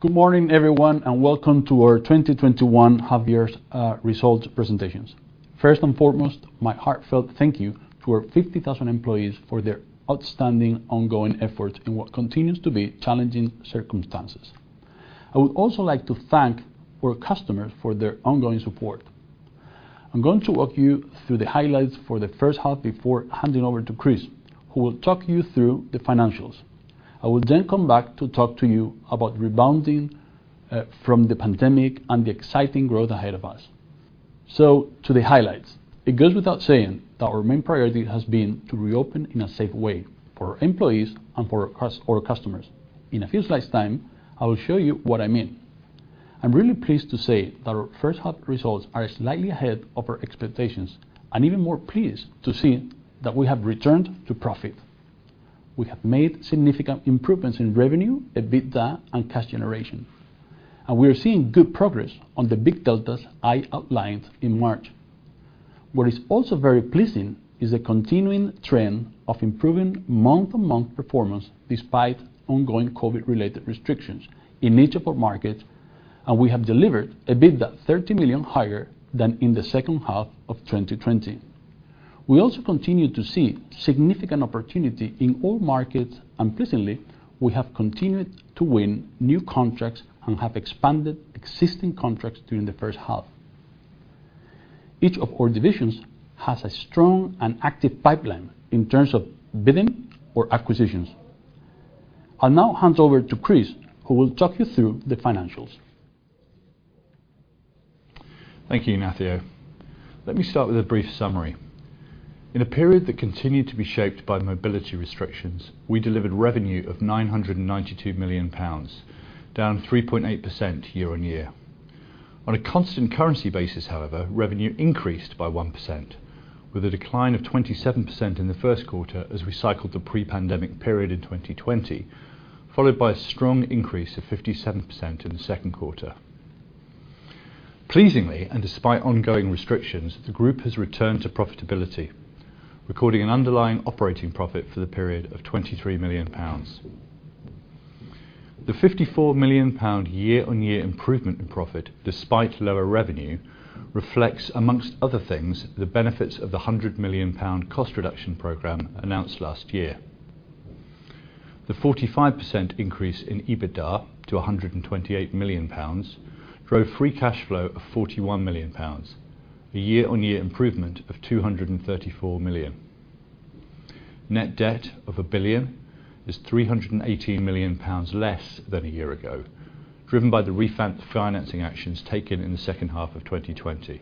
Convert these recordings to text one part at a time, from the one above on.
Good morning, everyone, and welcome to our 2021 half year's results presentations. First and foremost, my heartfelt thank you to our 50,000 employees for their outstanding ongoing efforts in what continues to be challenging circumstances. I would also like to thank our customers for their ongoing support. I'm going to walk you through the highlights for the first half before handing over to Chris, who will talk you through the financials. I will then come back to talk to you about rebounding from the pandemic and the exciting growth ahead of us. To the highlights. It goes without saying that our main priority has been to reopen in a safe way for our employees and for our customers. In a few slides' time, I will show you what I mean. I'm really pleased to say that our first half results are slightly ahead of our expectations, and even more pleased to see that we have returned to profit. We have made significant improvements in revenue, EBITDA, and cash generation, and we are seeing good progress on the big deltas I outlined in March. What is also very pleasing is a continuing trend of improving month-on-month performance despite ongoing COVID-related restrictions in each of our markets, and we have delivered EBITDA 30 million higher than in the second half of 2020. We also continue to see significant opportunity in all markets. Pleasingly, we have continued to win new contracts and have expanded existing contracts during the first half. Each of our divisions has a strong and active pipeline in terms of bidding or acquisitions. I'll now hand over to Chris, who will talk you through the financials. Thank you, Ignacio. Let me start with a brief summary. In a period that continued to be shaped by mobility restrictions, we delivered revenue of 992 million pounds, down 3.8% year-on-year. On a constant currency basis, however, revenue increased by 1%, with a decline of 27% in the first quarter as we cycled the pre-pandemic period in 2020, followed by a strong increase of 57% in the second quarter. Pleasingly, and despite ongoing restrictions, the group has returned to profitability, recording an underlying operating profit for the period of 23 million pounds. The 54 million pound year-on-year improvement in profit despite lower revenue reflects, amongst other things, the benefits of the 100 million pound cost reduction program announced last year. The 45% increase in EBITDA to 128 million pounds drove free cash flow of 41 million pounds, a year-on-year improvement of 234 million. Net debt of 1 billion is 318 million pounds less than a year ago, driven by the refinancing actions taken in the second half of 2020.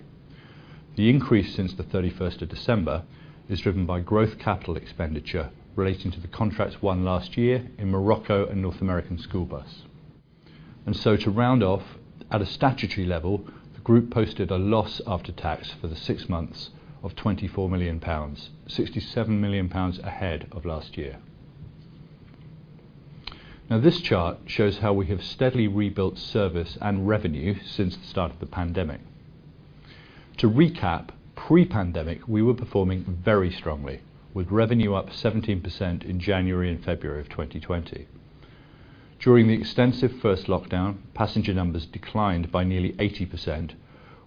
The increase since the 31st of December is driven by growth capital expenditure relating to the contracts won last year in Morocco and North American school bus. To round off, at a statutory level, the group posted a loss after tax for the six months of 24 million pounds, 67 million pounds ahead of last year. This chart shows how we have steadily rebuilt service and revenue since the start of the pandemic. To recap, pre-pandemic, we were performing very strongly, with revenue up 17% in January and February of 2020. During the extensive first lockdown, passenger numbers declined by nearly 80%,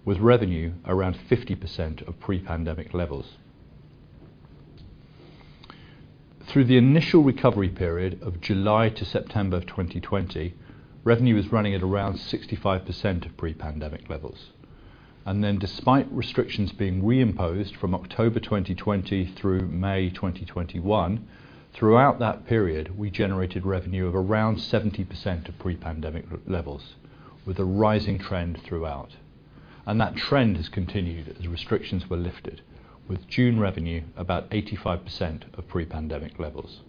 with revenue around 50% of pre-pandemic levels. Through the initial recovery period of July to September of 2020, revenue was running at around 65% of pre-pandemic levels. Despite restrictions being reimposed from October 2020 through May 2021, throughout that period, we generated revenue of around 70% of pre-pandemic levels, with a rising trend throughout, and that trend has continued as restrictions were lifted, with June revenue about 85% of pre-pandemic levels.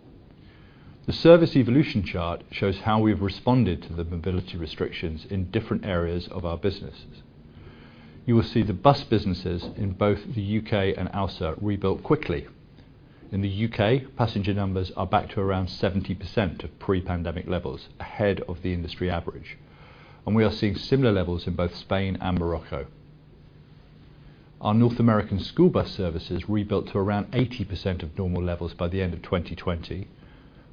The service evolution chart shows how we've responded to the mobility restrictions in different areas of our businesses. You will see the bus businesses in both the U.K. and ALSA rebuilt quickly. In the U.K., passenger numbers are back to around 70% of pre-pandemic levels, ahead of the industry average, and we are seeing similar levels in both Spain and Morocco. Our North American school bus services rebuilt to around 80% of normal levels by the end of 2020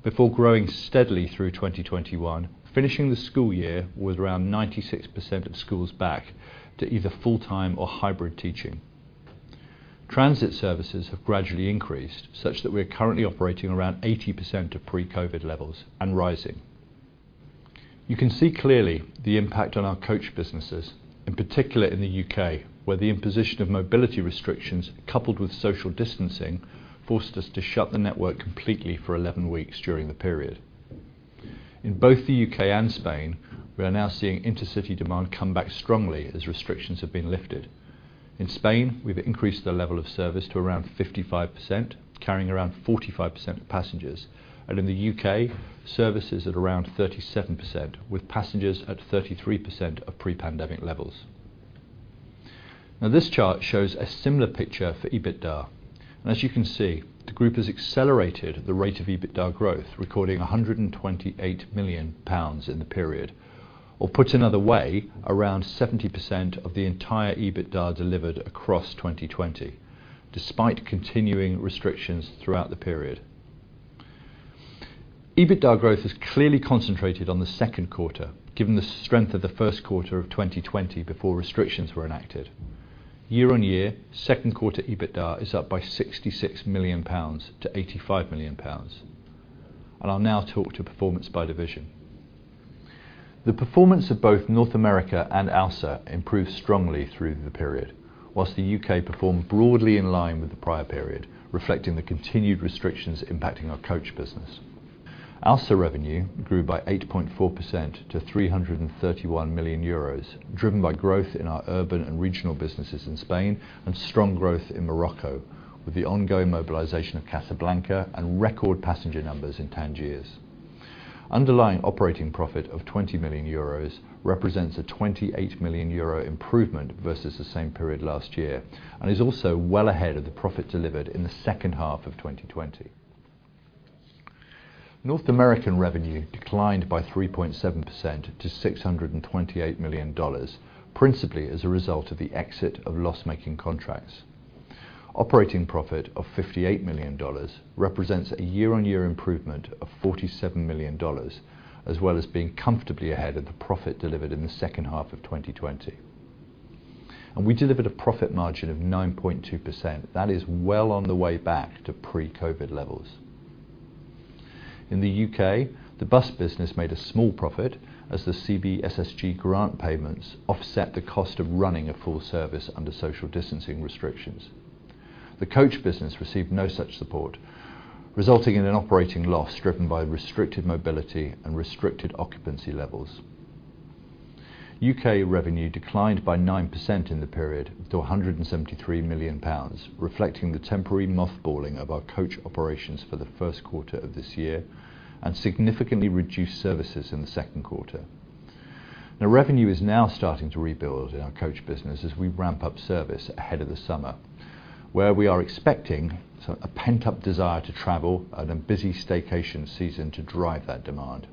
before growing steadily through 2021, finishing the school year with around 96% of schools back to either full-time or hybrid teaching. Transit services have gradually increased, such that we are currently operating around 80% of pre-COVID levels and rising. You can see clearly the impact on our coach businesses, in particular in the U.K., where the imposition of mobility restrictions, coupled with social distancing, forced us to shut the network completely for 11 weeks during the period. In both the U.K. and Spain, we are now seeing intercity demand come back strongly as restrictions have been lifted. In Spain, we've increased the level of service to around 55%, carrying around 45% of passengers, and in the U.K., service is at around 37%, with passengers at 33% of pre-pandemic levels. Now, this chart shows a similar picture for EBITDA, and as you can see, the group has accelerated the rate of EBITDA growth, recording 128 million pounds in the period. Put another way, around 70% of the entire EBITDA delivered across 2020, despite continuing restrictions throughout the period. EBITDA growth is clearly concentrated on the second quarter, given the strength of the first quarter of 2020 before restrictions were enacted. Year-on-year, second quarter EBITDA is up by 66 million-85 million pounds. I'll now talk to performance by division. The performance of both North America and ALSA improved strongly through the period, whilst the U.K. performed broadly in line with the prior period, reflecting the continued restrictions impacting our coach business. ALSA revenue grew by 8.4% to 331 million euros, driven by growth in our urban and regional businesses in Spain and strong growth in Morocco, with the ongoing mobilization of Casablanca and record passenger numbers in Tangiers. Underlying operating profit of 20 million euros represents a 28 million euro improvement versus the same period last year and is also well ahead of the profit delivered in the second half of 2020. North American revenue declined by 3.7% to $628 million, principally as a result of the exit of loss-making contracts. Operating profit of $58 million represents a year-on-year improvement of $47 million, as well as being comfortably ahead of the profit delivered in the second half of 2020. We delivered a profit margin of 9.2%. That is well on the way back to pre-COVID levels. In the U.K., the bus business made a small profit as the CBSSG grant payments offset the cost of running a full service under social distancing restrictions. The coach business received no such support, resulting in an operating loss driven by restricted mobility and restricted occupancy levels. U.K. revenue declined by 9% in the period to 173 million pounds, reflecting the temporary mothballing of our coach operations for the first quarter of this year and significantly reduced services in the second quarter. Revenue is now starting to rebuild in our coach business as we ramp-up service ahead of the summer, where we are expecting a pent-up desire to travel and a busy staycation season to drive that demand.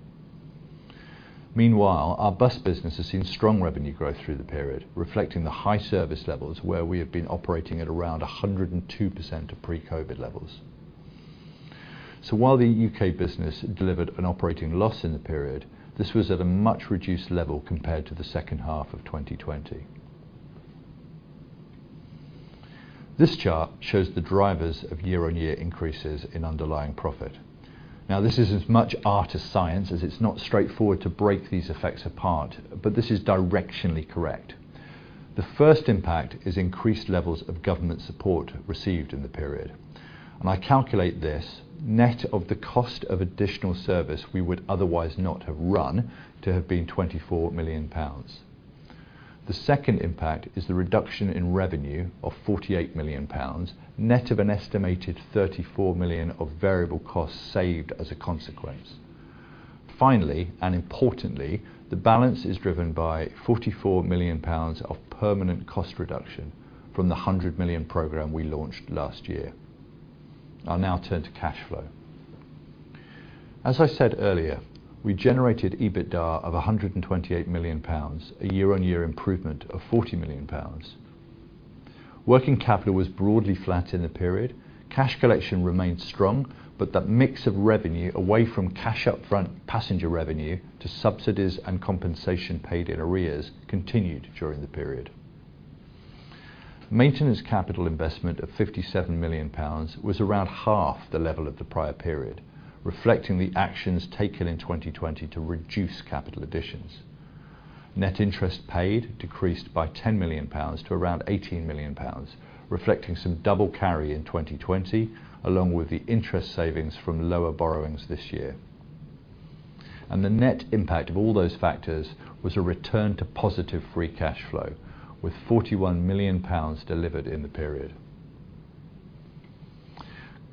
Meanwhile, our bus business has seen strong revenue growth through the period, reflecting the high service levels where we have been operating at around 102% of pre-COVID levels. While the U.K. business delivered an operating loss in the period, this was at a much reduced level compared to the second half of 2020. This chart shows the drivers of year-on-year increases in underlying profit. This is as much art as science, as it's not straightforward to break these effects apart, but this is directionally correct. The first impact is increased levels of government support received in the period. I calculate this net of the cost of additional service we would otherwise not have run to have been 24 million pounds. The second impact is the reduction in revenue of 48 million pounds, net of an estimated 34 million of variable costs saved as a consequence. Finally, and importantly, the balance is driven by 44 million pounds of permanent cost reduction from the 100 million program we launched last year. I'll now turn to cash flow. As I said earlier, we generated EBITDA of 128 million pounds, a year-on-year improvement of 40 million pounds. Working capital was broadly flat in the period. Cash collection remained strong, that mix of revenue away from cash upfront passenger revenue to subsidies and compensation paid in arrears continued during the period. Maintenance capital investment of 57 million pounds was around half the level of the prior period, reflecting the actions taken in 2020 to reduce capital additions. Net interest paid decreased by 10 million pounds to around 18 million pounds, reflecting some double carry in 2020, along with the interest savings from lower borrowings this year. The net impact of all those factors was a return to positive free cash flow, with 41 million pounds delivered in the period.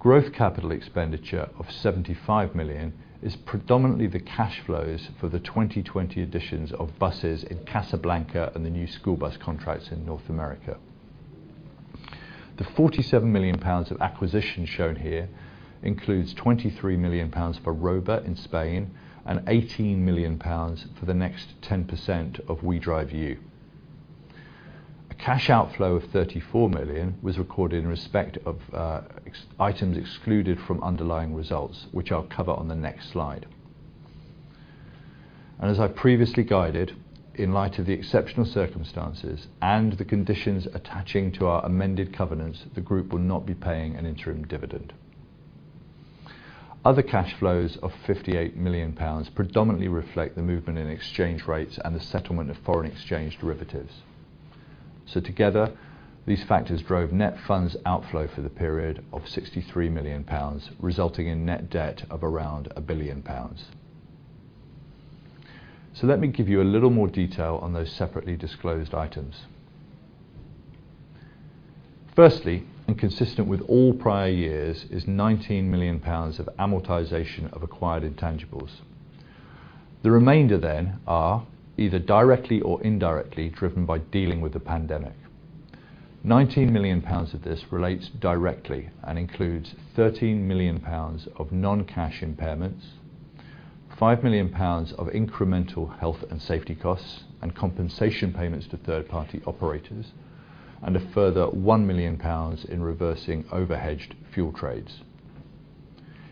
Growth capital expenditure of 75 million is predominantly the cash flows for the 2020 additions of buses in Casablanca and the new school bus contracts in North America. The 47 million pounds of acquisition shown here includes 23 million pounds for Rober in Spain and 18 million pounds for the next 10% of WeDriveU. A cash outflow of 34 million was recorded in respect of items excluded from underlying results, which I'll cover on the next slide. As I previously guided, in light of the exceptional circumstances and the conditions attaching to our amended covenants, the group will not be paying an interim dividend. Other cash flows of 58 million pounds predominantly reflect the movement in exchange rates and the settlement of foreign exchange derivatives. Together, these factors drove net funds outflow for the period of 63 million pounds, resulting in net debt of around 1 billion pounds. Let me give you a little more detail on those separately disclosed items. Firstly, consistent with all prior years, is 19 million pounds of amortization of acquired intangibles. The remainder are either directly or indirectly driven by dealing with the pandemic. 19 million pounds of this relates directly and includes 13 million pounds of non-cash impairments, 5 million pounds of incremental health and safety costs and compensation payments to third-party operators, and a further 1 million pounds in reversing over-hedged fuel trades.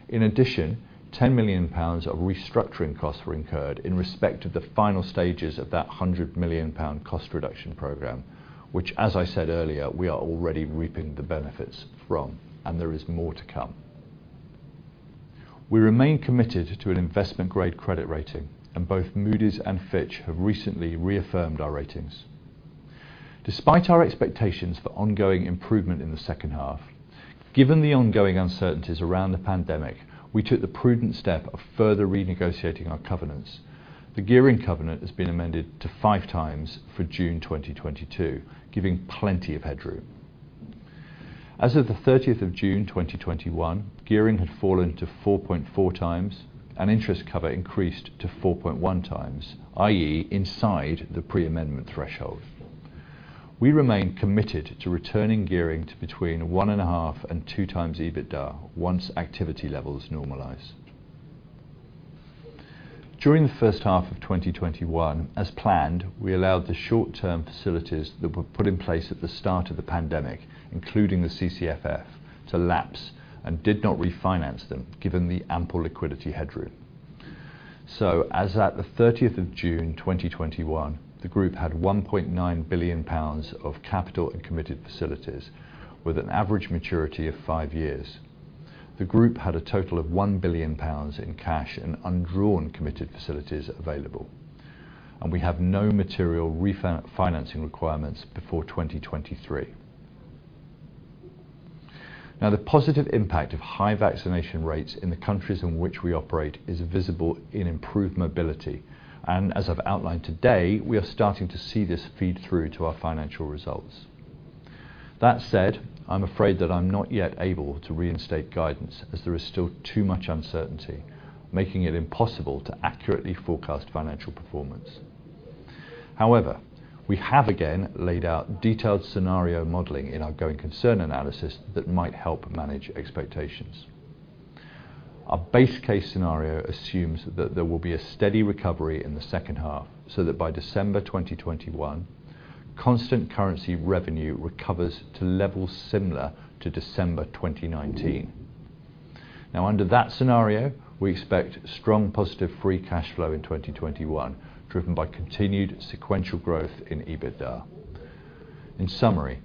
In addition, 10 million pounds of restructuring costs were incurred in respect of the final stages of that 100 million pound cost reduction program, which, as I said earlier, we are already reaping the benefits from and there is more to come. We remain committed to an investment-grade credit rating, and both Moody's and Fitch have recently reaffirmed our ratings. Despite our expectations for ongoing improvement in the second half, given the ongoing uncertainties around the pandemic, we took the prudent step of further renegotiating our covenants. The gearing covenant has been amended to 5x for June 2022, giving plenty of headroom. As of the 30th of June 2021, gearing had fallen to 4.4x and interest cover increased to 4.1x, i.e., inside the pre-amendment threshold. We remain committed to returning gearing to between 1.5 and 2x EBITDA once activity levels normalize. During the first half of 2021, as planned, we allowed the short-term facilities that were put in place at the start of the pandemic, including the CCFF, to lapse and did not refinance them given the ample liquidity headroom. As at the 30th of June 2021, the group had 1.9 billion pounds of capital and committed facilities with an average maturity of five years. The group had a total of 1 billion pounds in cash and undrawn committed facilities available. We have no material refinancing requirements before 2023. The positive impact of high vaccination rates in the countries in which we operate is visible in improved mobility, and as I've outlined today, we are starting to see this feed through to our financial results. That said, I'm afraid that I'm not yet able to reinstate guidance as there is still too much uncertainty, making it impossible to accurately forecast financial performance. However, we have again laid out detailed scenario modeling in our going concern analysis that might help manage expectations. Our base case scenario assumes that there will be a steady recovery in the second half so that by December 2021, constant currency revenue recovers to levels similar to December 2019. Under that scenario, we expect strong positive free cash flow in 2021, driven by continued sequential growth in EBITDA. In summary,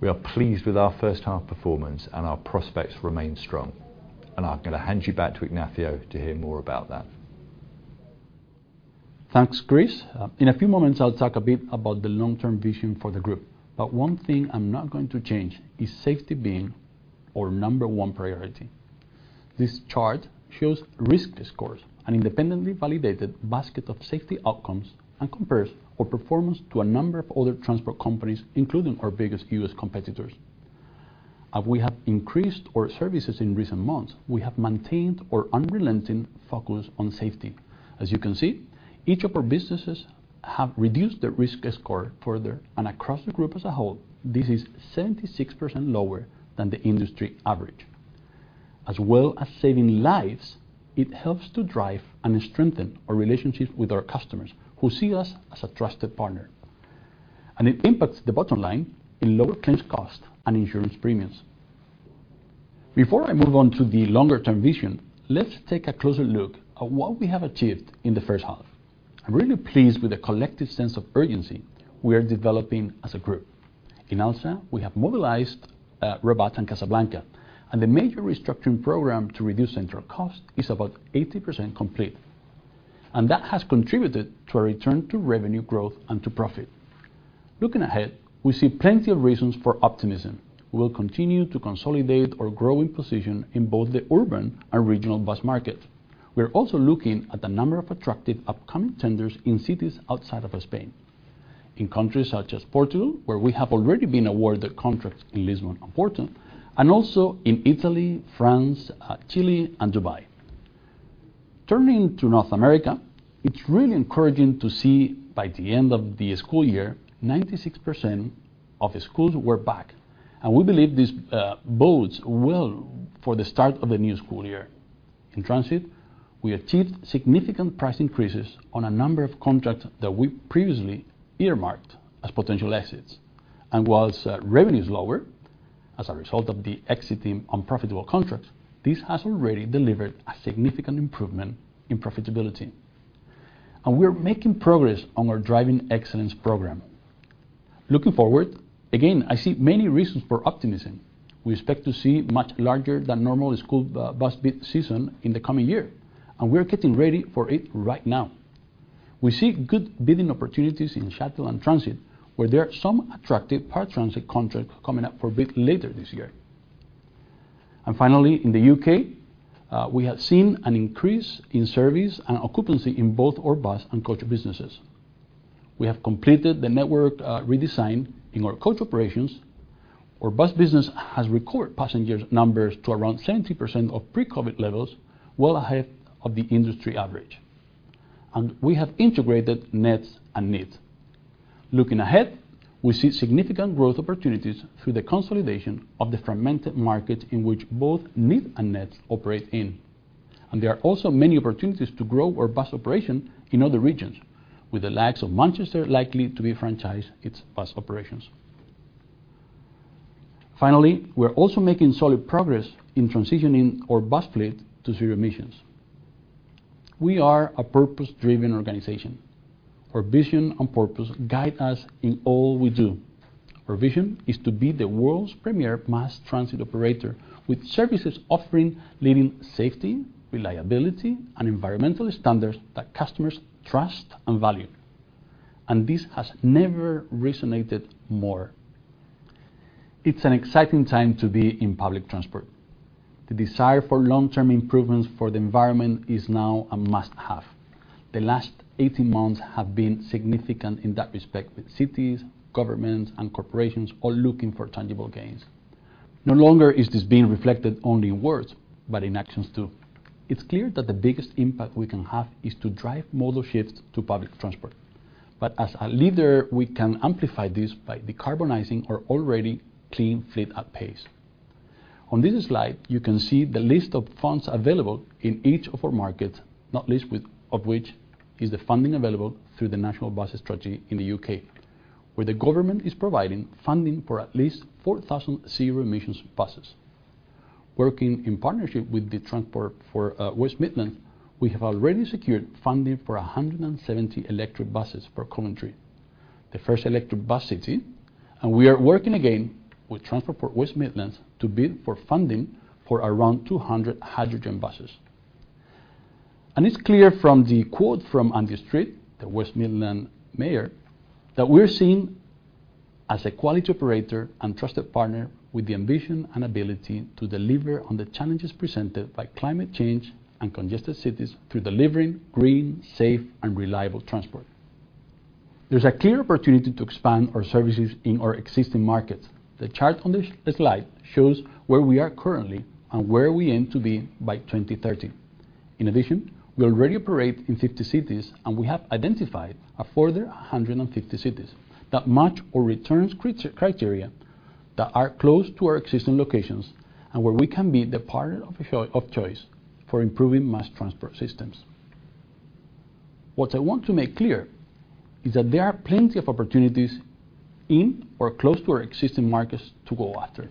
we are pleased with our first-half performance and our prospects remain strong, and I'm going to hand you back to Ignacio to hear more about that. Thanks, Chris. In a few moments, I'll talk a bit about the long-term vision for the group. One thing I'm not going to change is safety being our number one priority. This chart shows risk scores, an independently validated basket of safety outcomes, and compares our performance to a number of other transport companies, including our biggest U.S. competitors. As we have increased our services in recent months, we have maintained our unrelenting focus on safety. As you can see, each of our businesses have reduced their risk score further and across the group as a whole, this is 76% lower than the industry average. As well as saving lives, it helps to drive and strengthen our relationships with our customers who see us as a trusted partner. It impacts the bottom line in lower claims cost and insurance premiums. Before I move on to the longer-term vision, let's take a closer look at what we have achieved in the first half. I'm really pleased with the collective sense of urgency we are developing as a group. In ALSA, we have mobilized Rabat and Casablanca. The major restructuring program to reduce central cost is about 80% complete, and that has contributed to a return to revenue growth and to profit. Looking ahead, we see plenty of reasons for optimism. We will continue to consolidate our growing position in both the urban and regional bus market. We are also looking at a number of attractive upcoming tenders in cities outside of Spain, in countries such as Portugal, where we have already been awarded contracts in Lisbon and Porto, and also in Italy, France, Chile, and Dubai. Turning to North America, it's really encouraging to see by the end of the school year, 96% of schools were back. We believe this bodes well for the start of the new school year. In transit, we achieved significant price increases on a number of contracts that we previously earmarked as potential exits. Whilst revenue is lower as a result of exiting unprofitable contracts, this has already delivered a significant improvement in profitability, and we are making progress on our Driving Excellence program. Looking forward, again, I see many reasons for optimism. We expect to see much larger than normal school bus bid season in the coming year, and we are getting ready for it right now. We see good bidding opportunities in Shuttle and Transit, where there are some attractive paratransit contracts coming up for bid later this year. Finally, in the U.K., we have seen an increase in service and occupancy in both our bus and coach businesses. We have completed the network redesign in our coach operations. Our bus business has record passenger numbers to around 70% of pre-COVID levels, well ahead of the industry average. We have integrated NETS and NEAT. Looking ahead, we see significant growth opportunities through the consolidation of the fragmented market in which both NEAT and NETS operate in. There are also many opportunities to grow our bus operation in other regions, with the likes of Manchester likely to be franchise its bus operations. We are also making solid progress in transitioning our bus fleet to zero emissions. We are a purpose-driven organization. Our vision and purpose guide us in all we do. Our vision is to be the world's premier mass transit operator, with services offering leading safety, reliability, and environmental standards that customers trust and value. This has never resonated more. It's an exciting time to be in public transport. The desire for long-term improvements for the environment is now a must-have. The last 18 months have been significant in that respect, with cities, governments, and corporations all looking for tangible gains. No longer is this being reflected only in words, but in actions, too. It's clear that the biggest impact we can have is to drive modal shifts to public transport. As a leader, we can amplify this by decarbonizing our already clean fleet at pace. On this slide, you can see the list of funds available in each of our markets, not least of which is the funding available through the National Bus Strategy in the U.K., where the government is providing funding for at least 4,000 zero-emissions buses. Working in partnership with the Transport for West Midlands, we have already secured funding for 170 electric buses for Coventry, the first electric bus city, and we are working again with Transport for West Midlands to bid for funding for around 200 hydrogen buses. It's clear from the quote from Andy Street, the West Midlands Mayor, that we're seen as a quality operator and trusted partner with the ambition and ability to deliver on the challenges presented by climate change and congested cities through delivering green, safe, and reliable transport. There's a clear opportunity to expand our services in our existing markets. The chart on this slide shows where we are currently and where we aim to be by 2030. In addition, we already operate in 50 cities, and we have identified a further 150 cities that match our returns criteria that are close to our existing locations and where we can be the partner of choice for improving mass transport systems. What I want to make clear is that there are plenty of opportunities in or close to our existing markets to go after.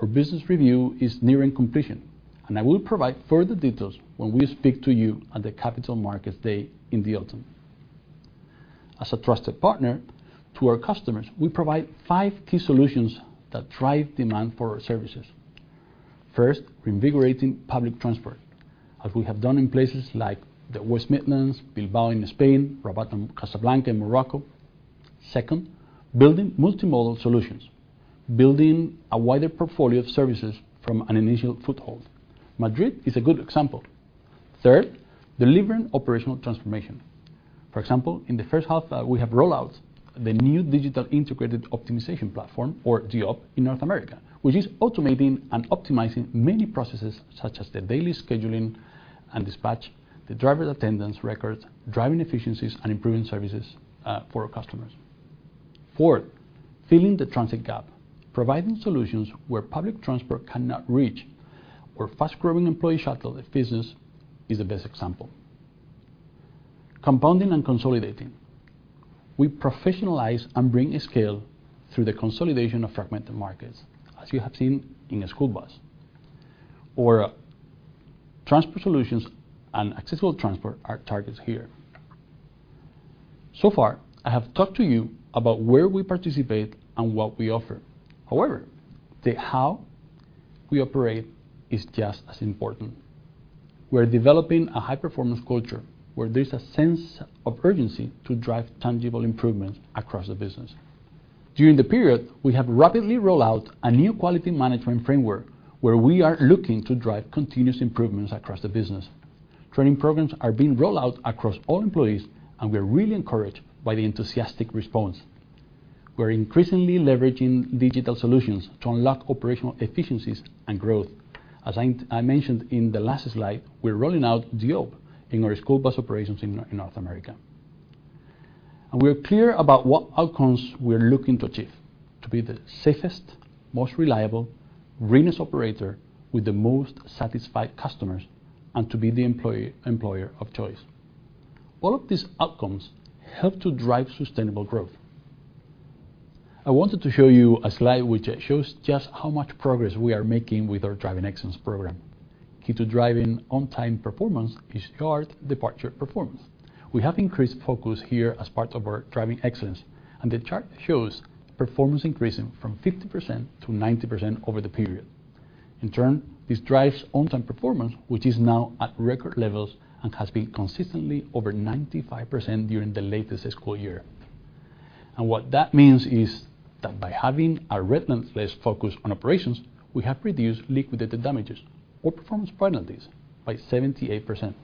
Our business review is nearing completion, and I will provide further details when we speak to you at the Capital Markets Day in the autumn. As a trusted partner to our customers, we provide five key solutions that drive demand for our services. First, reinvigorating public transport, as we have done in places like the West Midlands, Bilbao in Spain, Rabat and Casablanca in Morocco. Second, building multimodal solutions, building a wider portfolio of services from an initial foothold. Madrid is a good example. Third, delivering operational transformation. For example, in the first half, we have rollout the new digital Integrated Optimization Platform, or DiOP, in North America, which is automating and optimizing many processes such as the daily scheduling and dispatch, the driver attendance records, driving efficiencies, and improving services for our customers. Fourth, filling the transit gap, providing solutions where public transport cannot reach. Our fast-growing employee shuttle business is the best example. Compounding and consolidating. We professionalize and bring scale through the consolidation of fragmented markets, as you have seen in School Bus. Our transport solutions and accessible transport are targets here. So far, I have talked to you about where we participate and what we offer. However, the how we operate is just as important. We're developing a high-performance culture where there's a sense of urgency to drive tangible improvements across the business. During the period, we have rapidly rolled out a new quality management framework where we are looking to drive continuous improvements across the business. Training programs are being rolled out across all employees, and we're really encouraged by the enthusiastic response. We're increasingly leveraging digital solutions to unlock operational efficiencies and growth. As I mentioned in the last slide, we're rolling out DiOP in our school bus operations in North America. We're clear about what outcomes we're looking to achieve. To be the safest, most reliable, greenest operator with the most satisfied customers, and to be the employer of choice. All of these outcomes help to drive sustainable growth. I wanted to show you a slide which shows just how much progress we are making with our Driving Excellence program. Key to driving on-time performance is yard departure performance. We have increased focus here as part of our Driving Excellence, the chart shows performance increasing from 50% to 90% over the period. In turn, this drives on-time performance, which is now at record levels and has been consistently over 95% during the latest school year. What that means is that by having a relentless focus on operations, we have reduced liquidated damages or performance penalties by 78%.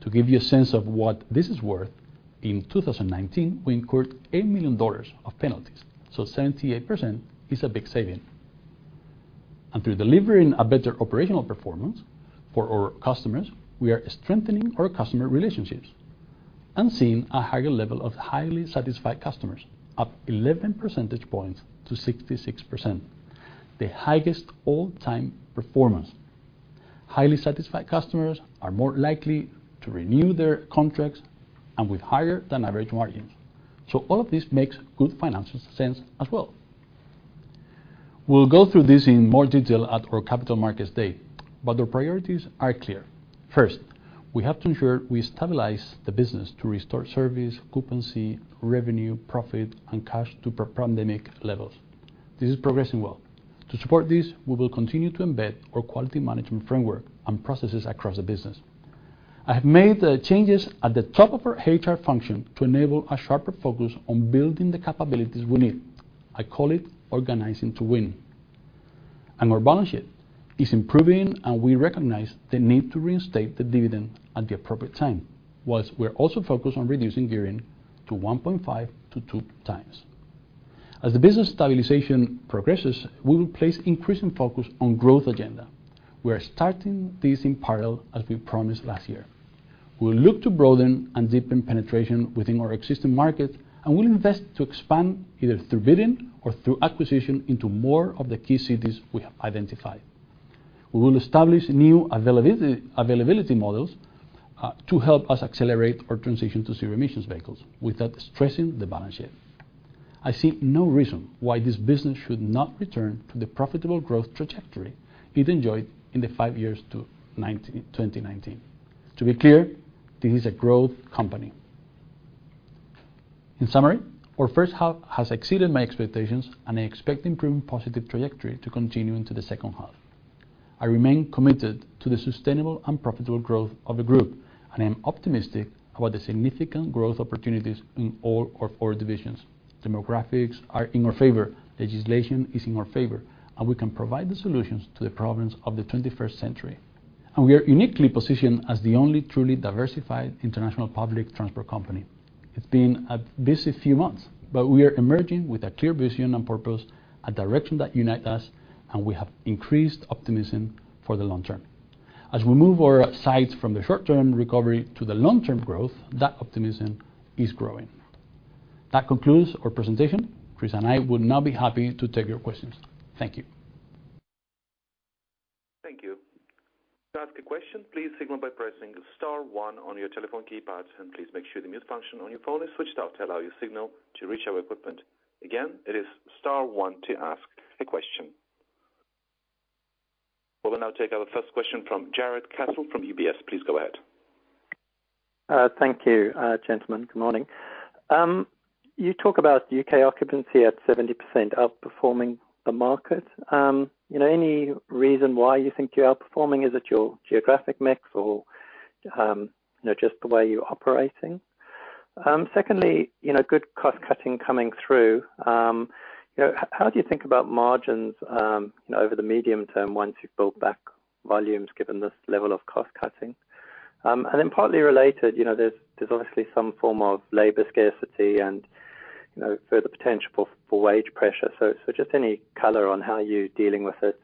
To give you a sense of what this is worth, in 2019, we incurred $8 million of penalties, so 78% is a big saving. Through delivering a better operational performance for our customers, we are strengthening our customer relationships and seeing a higher level of highly satisfied customers, up 11 percentage points to 66%, the highest all-time performance. Highly satisfied customers are more likely to renew their contracts and with higher than average margins. All of this makes good financial sense as well. We'll go through this in more detail at our Capital Markets Day, but the priorities are clear. First, we have to ensure we stabilize the business to restore service, occupancy, revenue, profit, and cash to pre-pandemic levels. This is progressing well. To support this, we will continue to embed our quality management framework and processes across the business. I have made the changes at the top of our HR function to enable a sharper focus on building the capabilities we need. I call it Organizing to Win. Our balance sheet is improving, and we recognize the need to reinstate the dividend at the appropriate time, whilst we're also focused on reducing gearing to 1.5-2x. As the business stabilization progresses, we will place increasing focus on growth agenda. We are starting this in parallel, as we promised last year. We'll look to broaden and deepen penetration within our existing markets, and we'll invest to expand either through bidding or through acquisition into more of the key cities we have identified. We will establish new availability models to help us accelerate our transition to zero-emissions vehicles without stressing the balance sheet. I see no reason why this business should not return to the profitable growth trajectory it enjoyed in the five years to 2019. To be clear, this is a growth company. In summary, our first half has exceeded my expectations, and I expect the improving positive trajectory to continue into the second half. I remain committed to the sustainable and profitable growth of the group, and I am optimistic about the significant growth opportunities in all our four divisions. Demographics are in our favor, legislation is in our favor, and we can provide the solutions to the problems of the 21st century, and we are uniquely positioned as the only truly diversified international public transport company. It's been a busy few months, but we are emerging with a clear vision and purpose, a direction that unites us, and we have increased optimism for the long term. As we move our sights from the short-term recovery to the long-term growth, that optimism is growing. That concludes our presentation. Chris and I would now be happy to take your questions. Thank you. Thank you. To ask a question, please signal by pressing star one on your telephone keypads and please make sure the mute function on your phone is switched off to allow your signal to reach our equipment. Again, it is star one to ask a question. We will now take our first question from Jarrod Castle from UBS. Please go ahead. Thank you, gentlemen. Good morning. You talk about U.K. occupancy at 70% outperforming the market. Any reason why you think you're outperforming? Is it your geographic mix or just the way you're operating? Secondly, good cost-cutting coming through. How do you think about margins over the medium term once you've built back volumes given this level of cost-cutting? Partly related, there's obviously some form of labor scarcity and further potential for wage pressure. Just any color on how you're dealing with it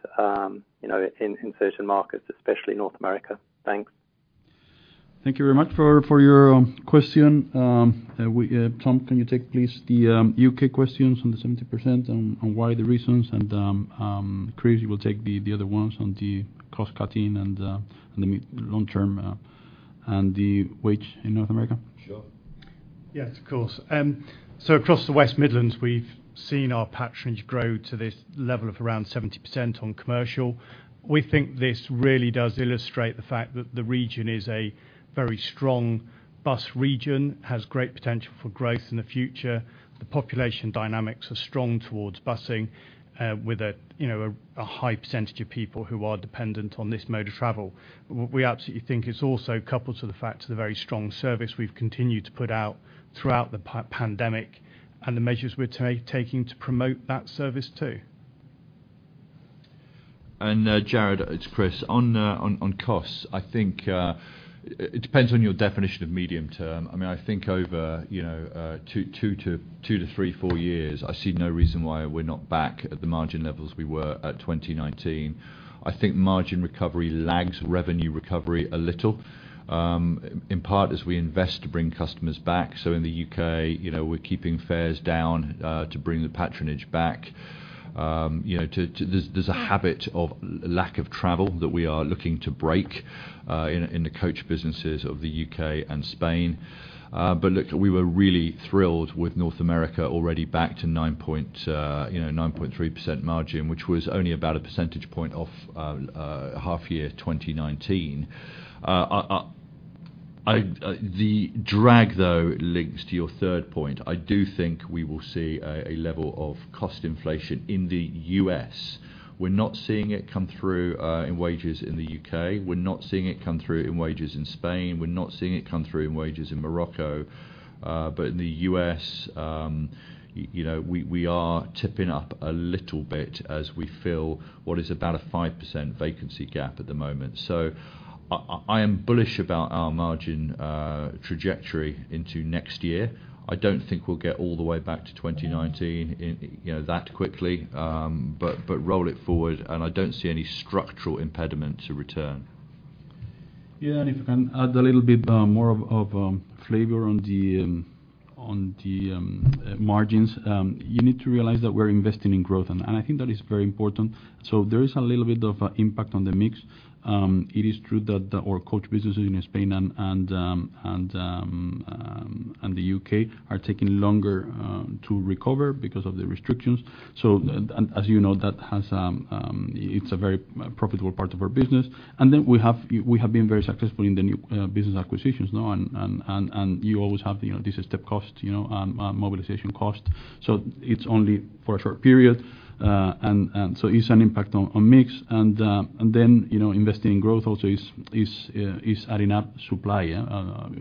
in certain markets, especially North America. Thanks. Thank you very much for your question. Tom, can you take please the U.K. questions on the 70% and why the reasons and, Chris, you will take the other ones on the cost-cutting and the long term and the wage in North America? Sure. Yes, of course. Across the West Midlands, we've seen our patronage grow to this level of around 70% on commercial. We think this really does illustrate the fact that the region is a very strong bus region, has great potential for growth in the future. The population dynamics are strong towards busing with a high percentage of people who are dependent on this mode of travel. We absolutely think it's also coupled to the fact of the very strong service we've continued to put out throughout the pandemic and the measures we're taking to promote that service, too. Jarrod, it's Chris. On costs, I think it depends on your definition of medium term. I think over two to three, four years, I see no reason why we're not back at the margin levels we were at 2019. I think margin recovery lags revenue recovery a little, in part as we invest to bring customers back. In the U.K., we're keeping fares down to bring the patronage back. There's a habit of lack of travel that we are looking to break in the coach businesses of the U.K. and Spain. Look, we were really thrilled with North America already back to 9.3% margin, which was only about a percentage point off half year 2019. The drag, though, links to your third point. I do think we will see a level of cost inflation in the U.S. We're not seeing it come through in wages in the U.K. We're not seeing it come through in wages in Spain. We're not seeing it come through in wages in Morocco. In the U.S., we are tipping up a little bit as we fill what is about a 5% vacancy gap at the moment. I am bullish about our margin trajectory into next year. I don't think we'll get all the way back to 2019 that quickly, but roll it forward and I don't see any structural impediment to return. Yeah, if I can add a little bit more of flavor on the margins. You need to realize that we're investing in growth, and I think that is very important. There is a little bit of impact on the mix. It is true that our coach businesses in Spain and the U.K. are taking longer to recover because of the restrictions. As you know, it's a very profitable part of our business. We have been very successful in the new business acquisitions now, and you always have this step cost, mobilization cost. It's only for a short period, and so it's an impact on mix. Investing in growth also is adding up supply,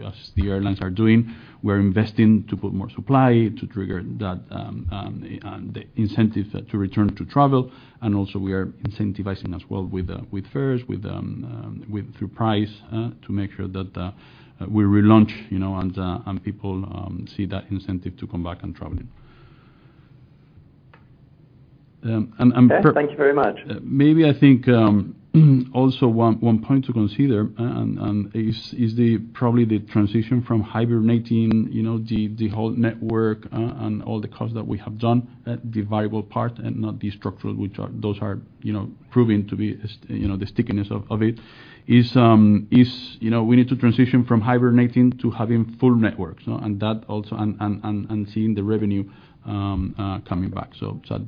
as the airlines are doing. We're investing to put more supply to trigger that and the incentive to return to travel. Also we are incentivizing as well with fares, through price, to make sure that we relaunch, and people see that incentive to come back and traveling. Yes, thank you very much. Maybe I think also one point to consider, and is the probably the transition from hibernating, the whole network, and all the costs that we have done, the variable part and not the structural, which are those are proving to be the stickiness of it, is we need to transition from hibernating to having full networks. That also, and seeing the revenue coming back.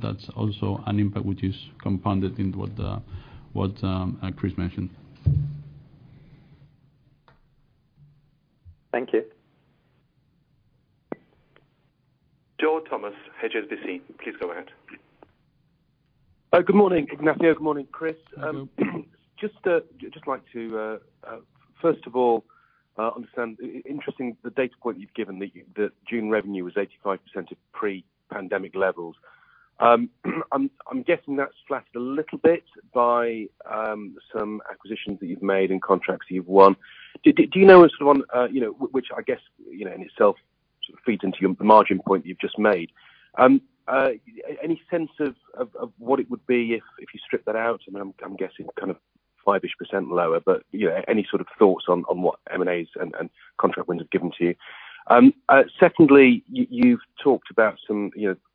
That's also an impact which is compounded in what Chris mentioned. Thank you. Joe Thomas, HSBC, please go ahead. Good morning, Ignacio. Good morning, Chris. Hello. Just like to, first of all, understand, interesting the data point you've given that June revenue was 85% of pre-pandemic levels. I'm guessing that's flattered a little bit by some acquisitions that you've made and contracts that you've won. Do you know, and sort of on, which I guess, in itself sort of feeds into your margin point you've just made. Any sense of what it would be if you strip that out, and I'm guessing kind of 5-ish% lower, but any sort of thoughts on what M&As and contract wins have given to you? Secondly, you've talked about some,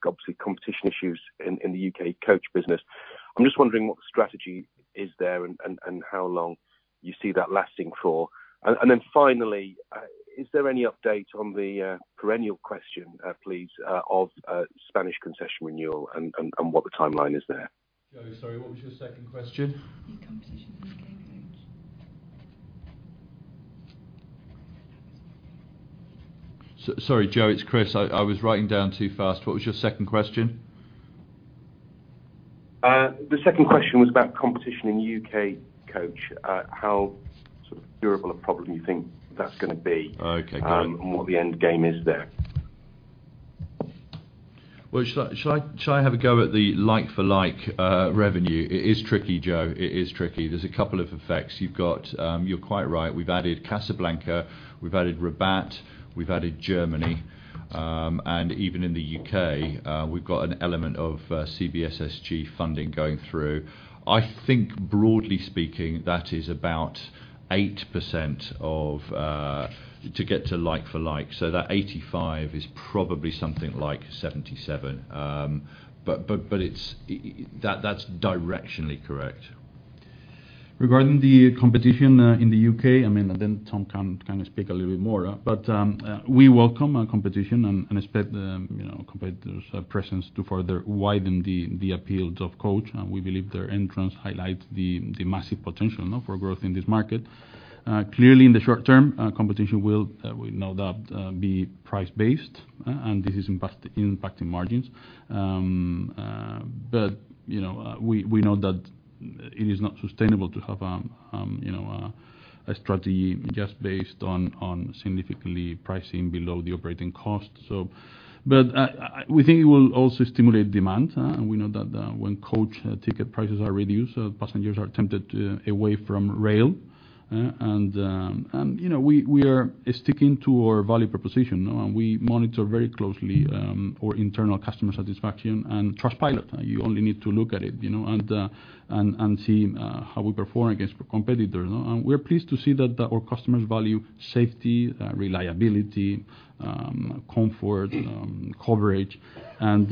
obviously, competition issues in the U.K. coach business. I'm just wondering what the strategy is there and how long you see that lasting for. Finally, is there any update on the perennial question, please, of Spanish concession renewal and what the timeline is there? Joe, sorry, what was your second question? The competition in the U.K. coach. Sorry, Joe, it's Chris. I was writing down too fast. What was your second question? The second question was about competition in U.K. coach. How sort of durable a problem you think that's going to be? Okay. Got it. What the end game is there. Well, shall I have a go at the like for like revenue? It is tricky, Joe. It is tricky. There's a couple of effects. You're quite right, we've added Casablanca, we've added Rabat, we've added Germany. Even in the U.K., we've got an element of CBSSG funding going through. I think broadly speaking, that is about 8% to get to like for like. That 85% is probably something like 77%. That's directionally correct. Regarding the competition in the U.K., I mean, Tom can kind of speak a little bit more. We welcome competition and expect competitors' presence to further widen the appeals of coach. We believe their entrance highlights the massive potential, for growth in this market. Clearly, in the short term, competition will, we know that, be price-based. This is impacting margins. We know that it is not sustainable to have a strategy just based on significantly pricing below the operating cost. We think it will also stimulate demand, and we know that when coach ticket prices are reduced, passengers are tempted away from rail. We are sticking to our value proposition. We monitor very closely our internal customer satisfaction and Trustpilot. You only need to look at it, and see how we perform against competitors. We are pleased to see that our customers value safety, reliability, comfort, coverage, and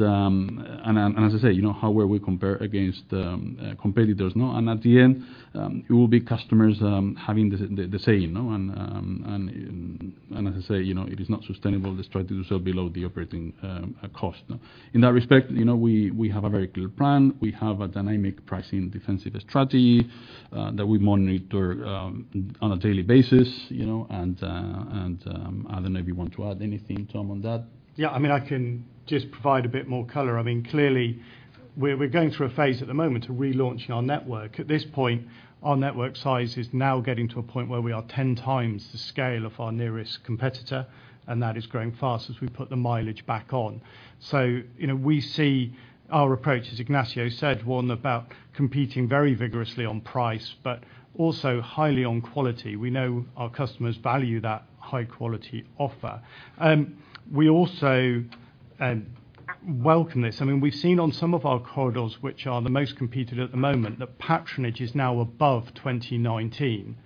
as I say, how well we compare against competitors. At the end, it will be customers having the say. As I say, it is not sustainable the strategy to sell below the operating cost. In that respect, we have a very clear plan. We have a dynamic pricing defensive strategy that we monitor on a daily basis. I don't know if you want to add anything, Tom, on that. Yeah, I can just provide a bit more color. Clearly, we're going through a phase at the moment of relaunching our network. At this point, our network size is now getting to a point where we are 10x the scale of our nearest competitor, and that is growing fast as we put the mileage back on. We see our approach, as Ignacio said, one about competing very vigorously on price, but also highly on quality. We know our customers value that high-quality offer. We also welcome this. We've seen on some of our corridors, which are the most competed at the moment, that patronage is now above 2019,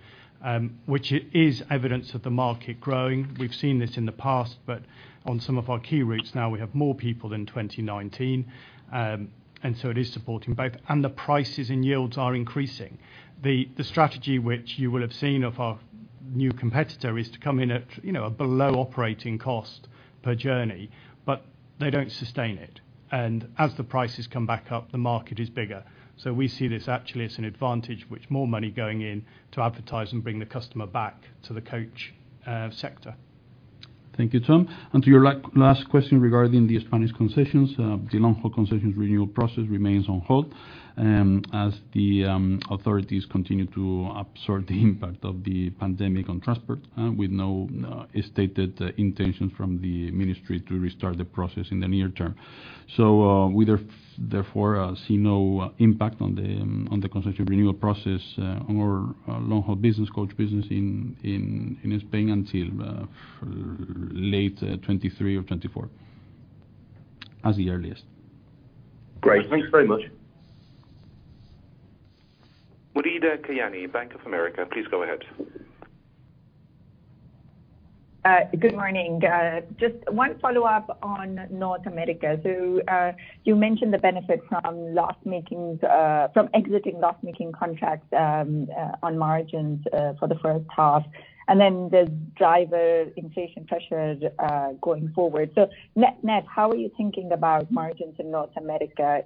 which is evidence of the market growing. We've seen this in the past, on some of our key routes now, we have more people than 2019. It is supporting both, and the prices and yields are increasing. The strategy which you will have seen of our new competitor is to come in at a below operating cost per journey, but they don't sustain it. As the prices come back up, the market is bigger. We see this actually as an advantage, with more money going in to advertise and bring the customer back to the coach sector. Thank you, Tom. To your last question regarding the Spanish concessions, the long-haul concessions renewal process remains on hold as the authorities continue to absorb the impact of the pandemic on transport with no stated intention from the ministry to restart the process in the near term. We, therefore, see no impact on the concession renewal process or long-haul business, coach business in Spain until late 2023 or 2024 as the earliest. Great. Thanks very much. Muneeba Kayani, Bank of America, please go ahead. Good morning. Just one follow-up on North America. You mentioned the benefit from exiting loss-making contracts on margins for the first half and then the driver inflation pressures going forward. Net, how are you thinking about margins in North America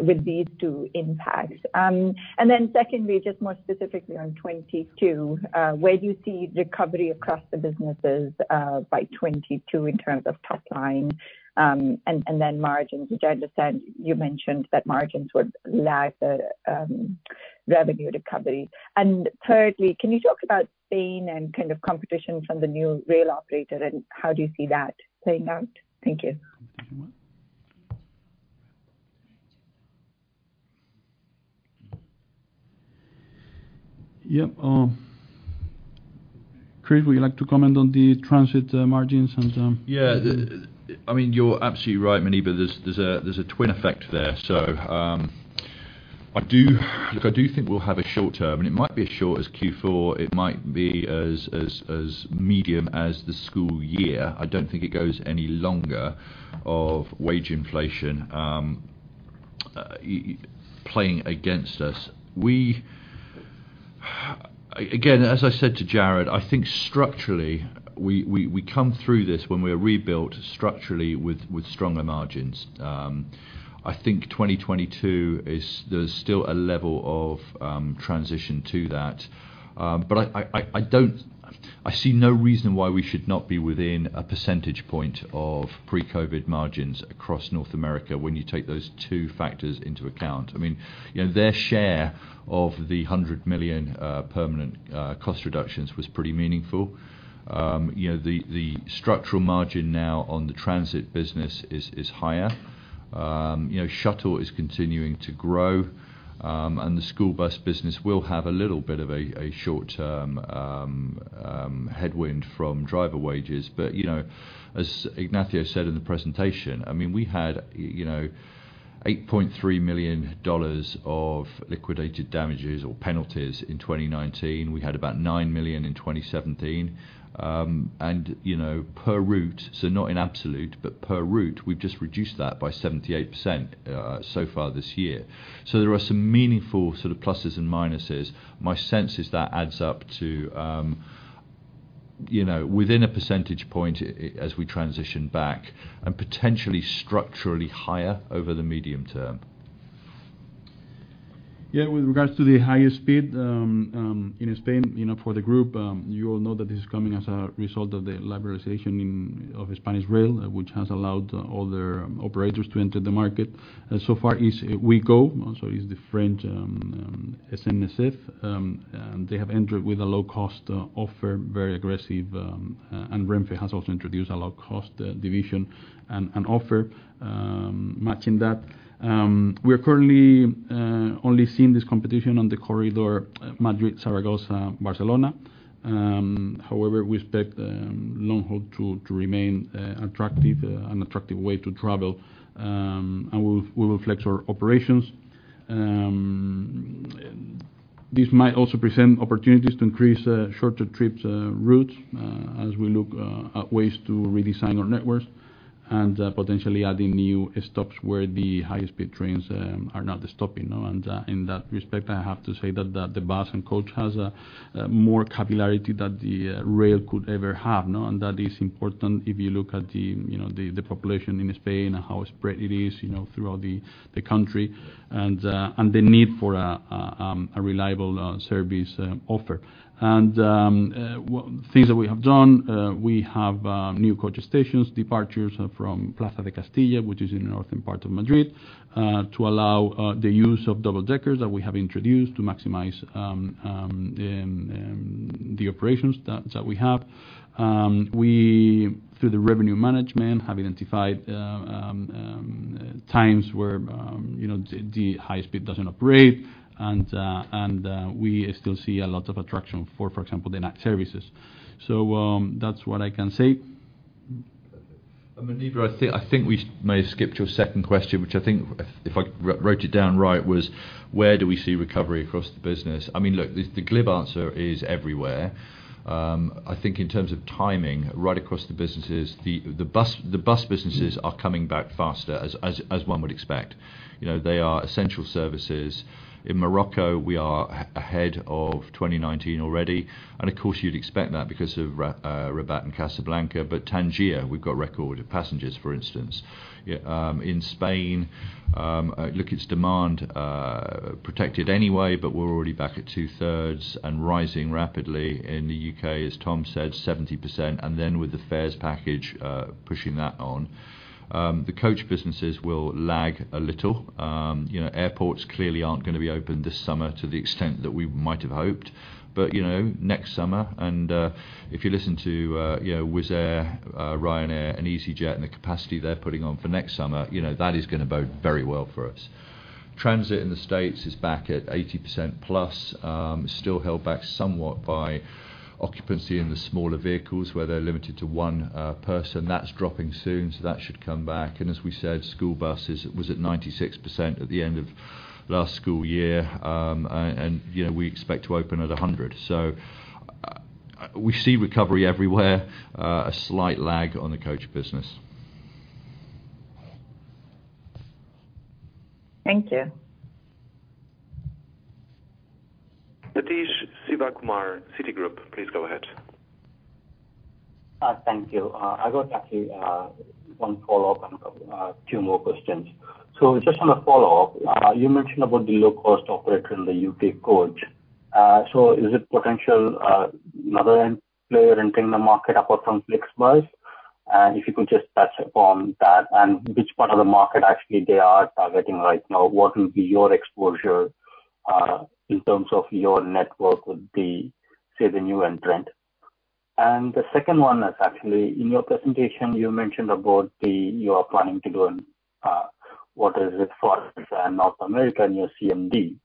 with these two impacts? secondly, just more specifically on 2022, where do you see recovery across the businesses by 2022 in terms of top line and then margins, which I understand you mentioned that margins would lag the revenue recovery? thirdly, can you talk about Spain and competition from the new rail operator, and how do you see that playing out? Thank you. Yep. Chris, would you like to comment on the transit margins? Yeah. You're absolutely right, Muneeba. There's a twin effect there. I do think we'll have a short term, and it might be as short as Q4, it might be as medium as the school year. I don't think it goes any longer of wage inflation playing against us. Again, as I said to Jarrod, I think structurally we come through this when we're rebuilt structurally with stronger margins. I think 2022, there's still a level of transition to that. I see no reason why we should not be within a percentage point of pre-COVID margins across North America when you take those two factors into account. Their share of the 100 million permanent cost reductions was pretty meaningful. The structural margin now on the transit business is higher. Shuttle is continuing to grow, the school bus business will have a little bit of a short-term headwind from driver wages. As Ignacio said in the presentation, we had GBP 8.3 million of liquidated damages or penalties in 2019. We had about 9 million in 2017. Per route, so not in absolute, but per route, we've just reduced that by 78% so far this year. There are some meaningful pluses and minuses. My sense is that adds up to within a percentage point as we transition back and potentially structurally higher over the medium term. Yeah. With regards to the higher speed in Spain for the group, you all know that this is coming as a result of the liberalization of Spanish rail, which has allowed other operators to enter the market. So far, it's Ouigo, so it's the French SNCF, and they have entered with a low-cost offer, very aggressive, and Renfe has also introduced a low-cost division and offer matching that. We're currently only seeing this competition on the corridor Madrid, Zaragoza, Barcelona. However, we expect long-haul to remain an attractive way to travel, and we will flex our operations. This might also present opportunities to increase shorter trips routes as we look at ways to redesign our networks and potentially adding new stops where the high-speed trains are not stopping. In that respect, I have to say that the bus and coach has more capillarity than the rail could ever have. That is important if you look at the population in Spain, how spread it is throughout the country and the need for a reliable service offer. Things that we have done, we have new coach stations, departures from Plaza de Castilla, which is in the northern part of Madrid, to allow the use of double-deckers that we have introduced to maximize the operations that we have. We, through the revenue management, have identified times where the high speed doesn't operate, and we still see a lot of attraction for example, the night services. That's what I can say. Perfect. Muneeba, I think we may have skipped your second question, which I think if I wrote it down right, was where do we see recovery across the business? Look, the glib answer is everywhere. I think in terms of timing, right across the businesses, the bus businesses are coming back faster as one would expect. They are essential services. In Morocco, we are ahead of 2019 already, and of course you'd expect that because of Rabat and Casablanca. Tangier, we've got a record of passengers, for instance. In Spain, look, it's demand protected anyway, but we're already back at two thirds and rising rapidly. In the U.K., as Tom said, 70%, and then with the fares package, pushing that on. The coach businesses will lag a little. Airports clearly aren't going to be open this summer to the extent that we might have hoped. Next summer, and if you listen to Wizz Air, Ryanair, and easyJet, and the capacity they're putting on for next summer, that is going to bode very well for us. Transit in the U.S. is back at 80%+. It's still held back somewhat by occupancy in the smaller vehicles where they're limited to 1 person. That's dropping soon, so that should come back. As we said, school buses was at 96% at the end of last school year. We expect to open at 100%. We see recovery everywhere, a slight lag on the coach business. Thank you. Sathish Sivakumar, Citigroup, please go ahead. Thank you. I got actually one follow-up and two more questions. Just on a follow-up, you mentioned about the low-cost operator in the U.K. coach. Is it potential another player entering the market apart from FlixBus? If you could just touch upon that and which part of the market actually they are targeting right now? What will be your exposure, in terms of your network with the new entrant? The second one is actually, in your presentation you mentioned about you are planning to do an, what is it for North America in your CMD.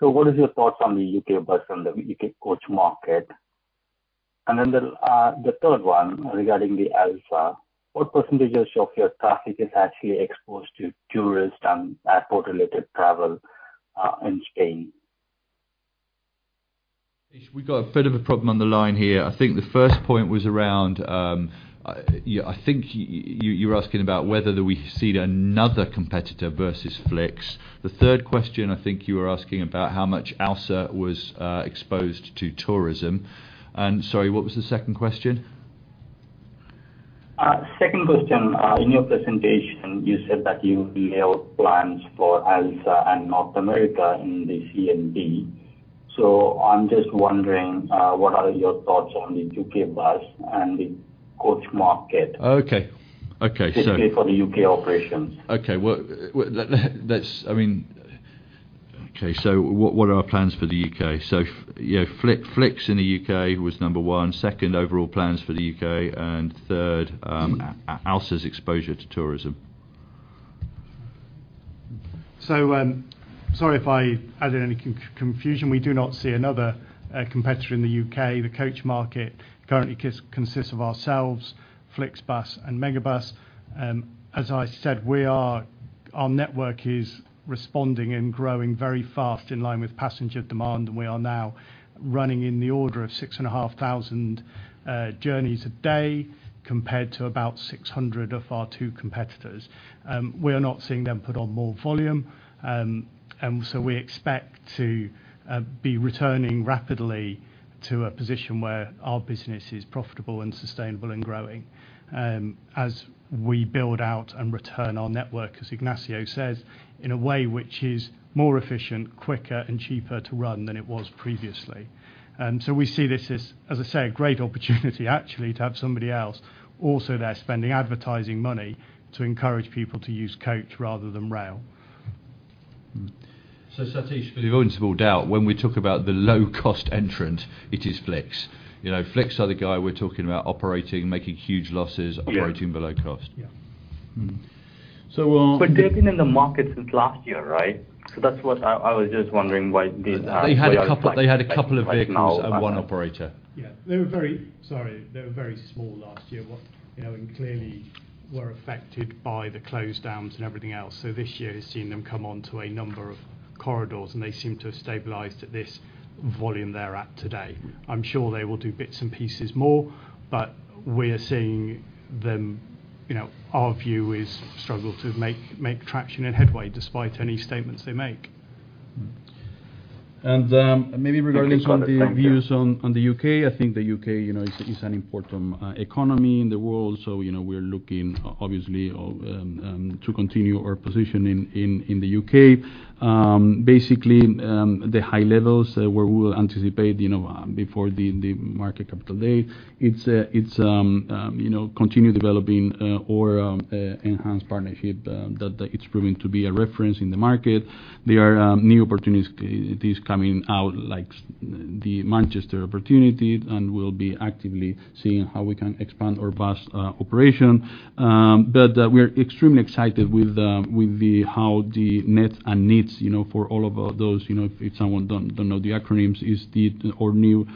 What is your thoughts on the U.K. bus and the U.K. coach market? The third one regarding the ALSA. What percentage of your traffic is actually exposed to tourist and airport-related travel, in Spain? Sathish, we've got a bit of a problem on the line here. I think the first point was around, I think you were asking about whether that we see another competitor versus Flix. The third question, I think you were asking about how much ALSA was exposed to tourism. Sorry, what was the second question? Second question. In your presentation, you said that you held plans for ALSA and North America in the CMD. I'm just wondering, what are your thoughts on the U.K. bus and the coach market? Okay. Specifically for the U.K. operations. Okay. What are our plans for the U.K.? Flix in the U.K. was number one. Second, overall plans for the U.K., and third, ALSA's exposure to tourism. Sorry if I added any confusion. We do not see another competitor in the U.K. The coach market currently consists of ourselves, FlixBus and Megabus. As I said, our network is responding and growing very fast in line with passenger demand, and we are now running in the order of 6,500 journeys a day compared to about 600 of our two competitors. We are not seeing them put on more volume. And so we expect to be returning rapidly to a position where our business is profitable and sustainable and growing as we build out and return our network, as Ignacio says, in a way which is more efficient, quicker, and cheaper to run than it was previously. We see this as I say, a great opportunity actually to have somebody else also there spending advertising money to encourage people to use coach rather than rail. Sathish, for the avoidance of all doubt, when we talk about the low-cost entrant, it is Flix. Flix are the guy we're talking about operating, making huge losses. Yeah. Operating below cost. Yeah. So. They've been in the market since last year, right? That's what I was just wondering why this? They had a couple of vehicles and one operator. Yeah. Sorry. They were very small last year, and clearly were affected by the closedowns and everything else. This year has seen them come onto a number of corridors, and they seem to have stabilized at this volume they're at today. I'm sure they will do bits and pieces more, but we are seeing them, our view is, struggle to make traction and headway despite any statements they make. Regarding some of the views on the U.K., I think the U.K. is an important economy in the world. We're looking, obviously, to continue our position in the U.K. Basically, the high levels where we will anticipate before the Capital Markets Day, it's continue developing our enhanced partnership that it's proving to be a reference in the market. There are new opportunities coming out, like the Manchester opportunity, and we'll be actively seeing how we can expand our bus operation. We're extremely excited with how the NETS and NEATS for all of those, if someone don't know the acronyms, is our new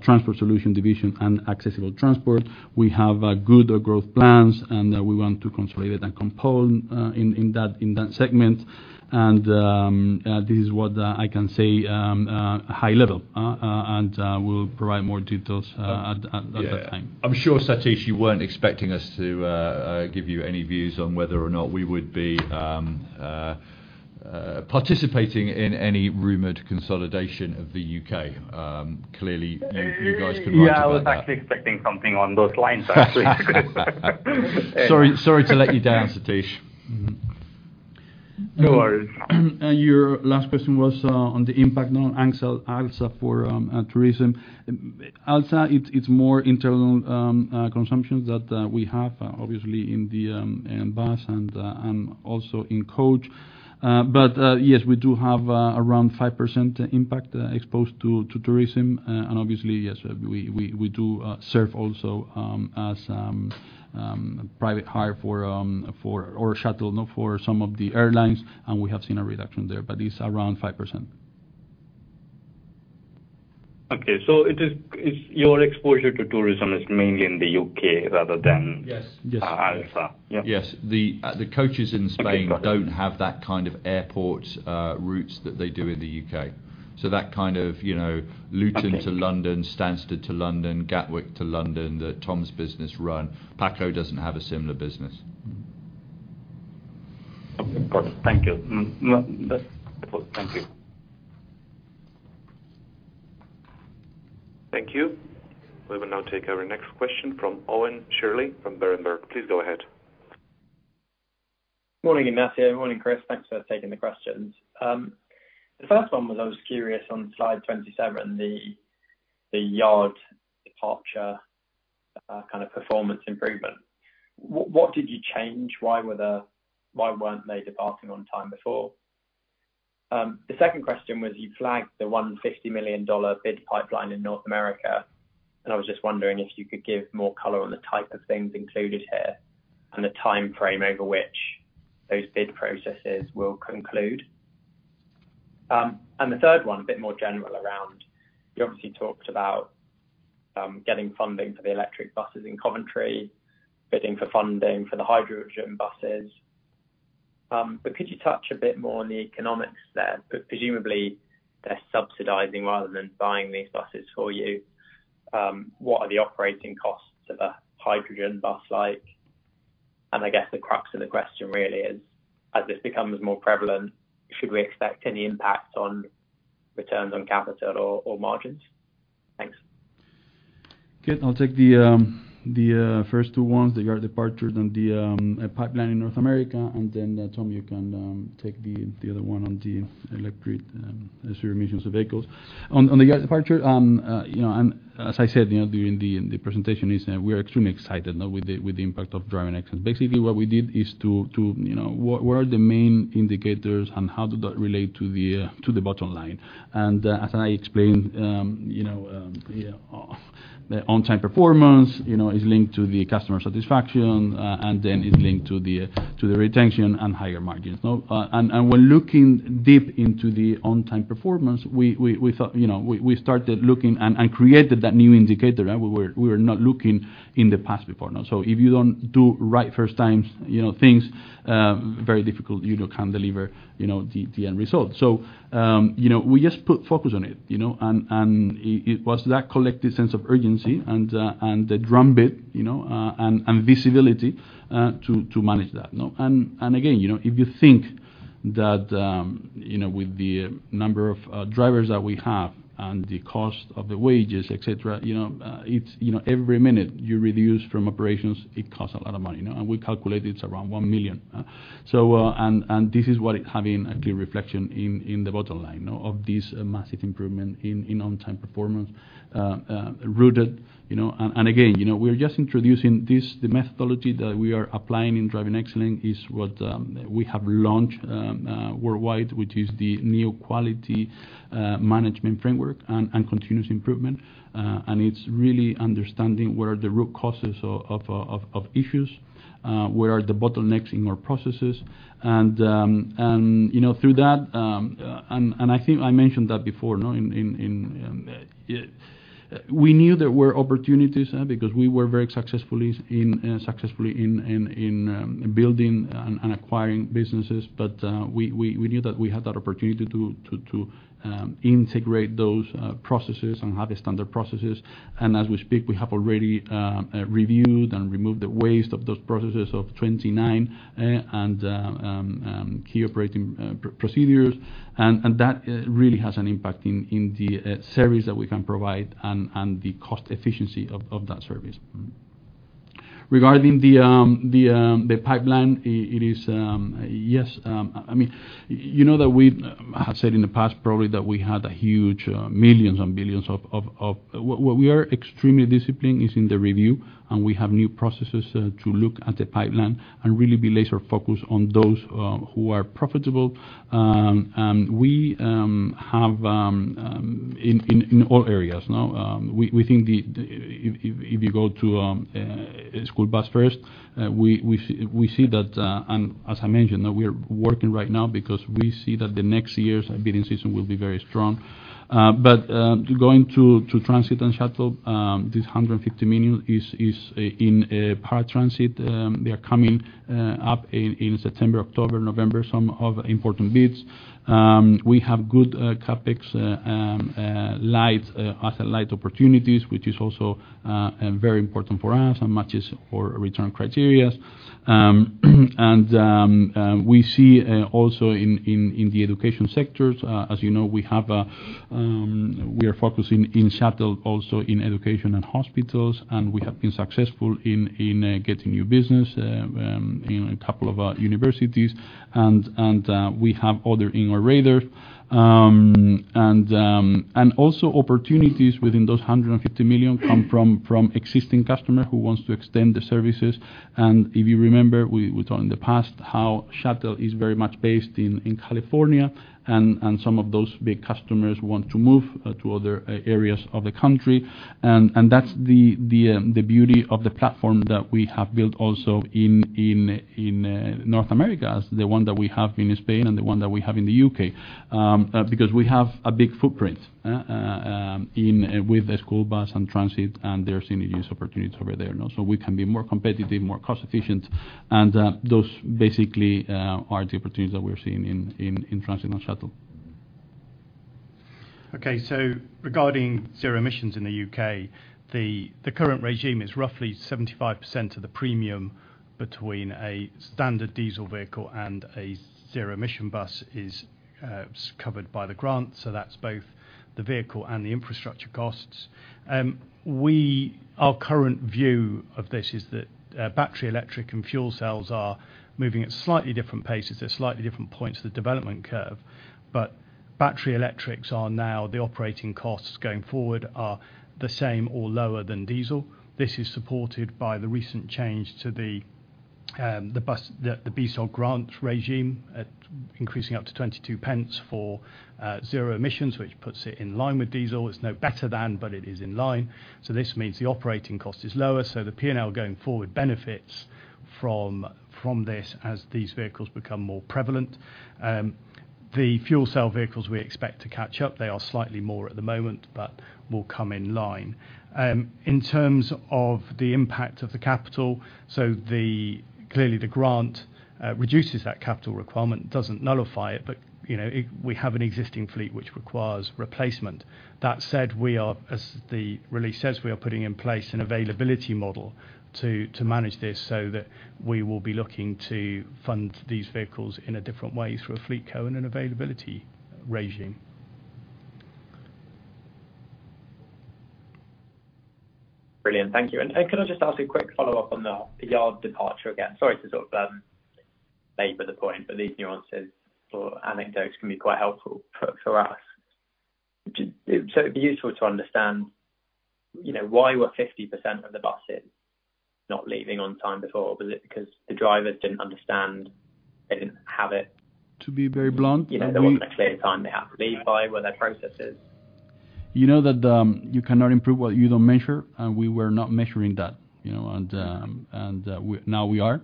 transport solution division and accessible transport. We have good growth plans, and we want to consolidate and compound in that segment. This is what I can say high level, and we'll provide more details at that time. Yeah. I'm sure Sathish, you weren't expecting us to give you any views on whether or not we would be participating in any rumored consolidation of the U.K. Clearly, you guys can comment about that. Yeah, I was actually expecting something on those lines, actually. Sorry to let you down, Sathish. No worries. Your last question was on the impact on ALSA for tourism. ALSA, it's more internal consumption that we have obviously in the bus and also in coach. Yes, we do have around 5% impact exposed to tourism. Obviously, yes, we do serve also as private hire or shuttle for some of the airlines, and we have seen a reduction there, but it's around 5%. Okay. Your exposure to tourism is mainly in the U.K. rather than. Yes. ALSA? Yes. The coaches in Spain don't have that kind of airport routes that they do in the U.K. That kind of Luton to London, Stansted to London, Gatwick to London, the Tom's business run. Paco doesn't have a similar business. Of course. Thank you. That is all. Thank you. Thank you. We will now take our next question from Owen Shirley from Berenberg. Please go ahead. Morning, Ignacio. Morning, Chris. Thanks for taking the questions. The first one was, I was curious on slide 27, the yard departure kind of performance improvement. What did you change? Why weren't they departing on time before? The second question was you flagged the $150 million bid pipeline in North America, and I was just wondering if you could give more color on the type of things included here and the timeframe over which those bid processes will conclude. The third one, a bit more general around, you obviously talked about getting funding for the electric buses in Coventry, bidding for funding for the hydrogen buses. Could you touch a bit more on the economics there? Presumably they're subsidizing rather than buying these buses for you. What are the operating costs of a hydrogen bus like? I guess the crux of the question really is, as this becomes more prevalent, should we expect any impact on returns on capital or margins? Thanks. Good. I'll take the first two ones, the yard departures and the pipeline in North America. Tom, you can take the other one on the electric zero emissions vehicles. On the yard departure, as I said during the presentation, is we are extremely excited now with the impact of Driving Excellence. Basically what we did, what are the main indicators and how do they relate to the bottom line? As I explained, the on-time performance is linked to the customer satisfaction. Then is linked to the retention and higher margins. When looking deep into the on-time performance, we started looking and created that new indicator. We were not looking in the past before now. If you don't do right first times things, very difficult, you can't deliver the end result. We just put focus on it, and it was that collective sense of urgency and the drum beat and visibility to manage that. Again, if you think that with the number of drivers that we have and the cost of the wages, et cetera, every minute you reduce from operations, it costs a lot of money. We calculate it's around 1 million. This is what is having a clear reflection in the bottom line of this massive improvement in on-time performance. Again, we're just introducing this, the methodology that we are applying in Driving Excellence is what we have launched worldwide, which is the new quality management framework and continuous improvement. It's really understanding where the root causes of issues, where are the bottlenecks in our processes. Through that, I think I mentioned that before, we knew there were opportunities because we were very successfully in building and acquiring businesses, we knew that we had that opportunity to integrate those processes and have the standard processes. As we speak, we have already reviewed and removed the waste of those processes of 29 key operating procedures. That really has an impact in the service that we can provide and the cost efficiency of that service. Regarding the pipeline, I have said in the past probably that we had a huge. Where we are extremely disciplined is in the review, we have new processes to look at the pipeline and really be laser focused on those who are profitable. In all areas now, we think if you go to school bus first, we see that, as I mentioned, that we are working right now because we see that the next year's bidding season will be very strong. Going to transit and shuttle, this 150 million is in part transit. They are coming up in September, October, November, some of important bids. We have good CapEx asset-light opportunities, which is also very important for us and matches our return criteria. We see also in the education sectors, as you know, we are focusing in shuttle also in education and hospitals, and we have been successful in getting new business in a couple of universities, and we have other in our radar. Also opportunities within those 150 million come from existing customer who wants to extend the services. If you remember, we talked in the past how shuttle is very much based in California, and some of those big customers want to move to other areas of the country. That's the beauty of the platform that we have built also in North America, the one that we have in Spain and the one that we have in the U.K., because we have a big footprint with the school bus and transit, and there are synergies opportunities over there now. We can be more competitive, more cost efficient, and those basically are the opportunities that we're seeing in transit and shuttle. Okay. Regarding zero emissions in the U.K., the current regime is roughly 75% of the premium between a standard diesel vehicle and a zero-emission bus is covered by the grant, so that's both the vehicle and the infrastructure costs. Our current view of this is that battery electric and fuel cells are moving at slightly different paces. They're slightly different points of the development curve, battery electrics are now the operating costs going forward are the same or lower than diesel. This is supported by the recent change to the BSOG grant regime at increasing up to 0.22 for zero-emissions, which puts it in line with diesel. It's no better than, but it is in line. This means the operating cost is lower, so the P&L going forward benefits from this as these vehicles become more prevalent. The fuel cell vehicles we expect to catch up. They are slightly more at the moment, but will come in line. In terms of the impact of the capital, clearly the grant reduces that capital requirement. Doesn't nullify it, but we have an existing fleet which requires replacement. That said, as the release says, we are putting in place an availability model to manage this so that we will be looking to fund these vehicles in a different way through a FleetCo and an availability regime. Brilliant. Thank you. Could I just ask a quick follow-up on the yard departure again? Sorry to sort of labor the point, but these nuances or anecdotes can be quite helpful for us. It'd be useful to understand, why were 50% of the buses not leaving on time before? Was it because the drivers didn't understand? To be very blunt. There wasn't a clear time they have to leave by? Were there processes? You know that you cannot improve what you don't measure, and we were not measuring that, and now we are.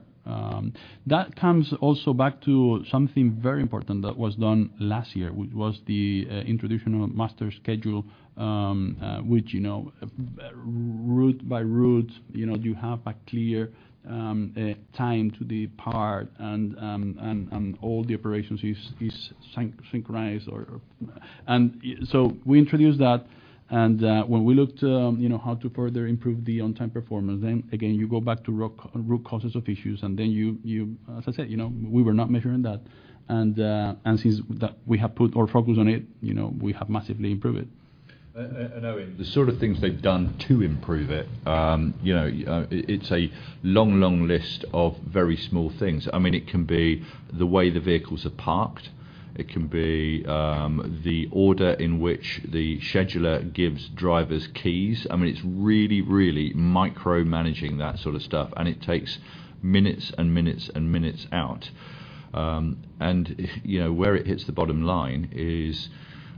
That comes also back to something very important that was done last year, which was the introduction of master schedule, which, route by route, you have a clear time to depart and all the operations is synchronized. We introduced that, and when we looked how to further improve the on-time performance, then again, you go back to root causes of issues and then As I said, we were not measuring that, and since we have put our focus on it, we have massively improved it. Owen, the sort of things they've done to improve it's a long, long list of very small things. It can be the way the vehicles are parked. It can be the order in which the scheduler gives drivers keys. It's really, really micromanaging that sort of stuff, and it takes minutes and minutes and minutes out. Where it hits the bottom line is,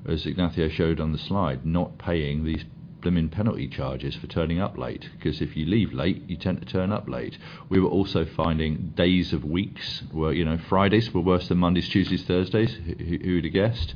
as Ignacio showed on the slide, not paying these blooming penalty charges for turning up late, because if you leave late, you tend to turn up late. We were also finding days of weeks where Fridays were worse than Mondays, Tuesdays, Thursdays. Who'd have guessed?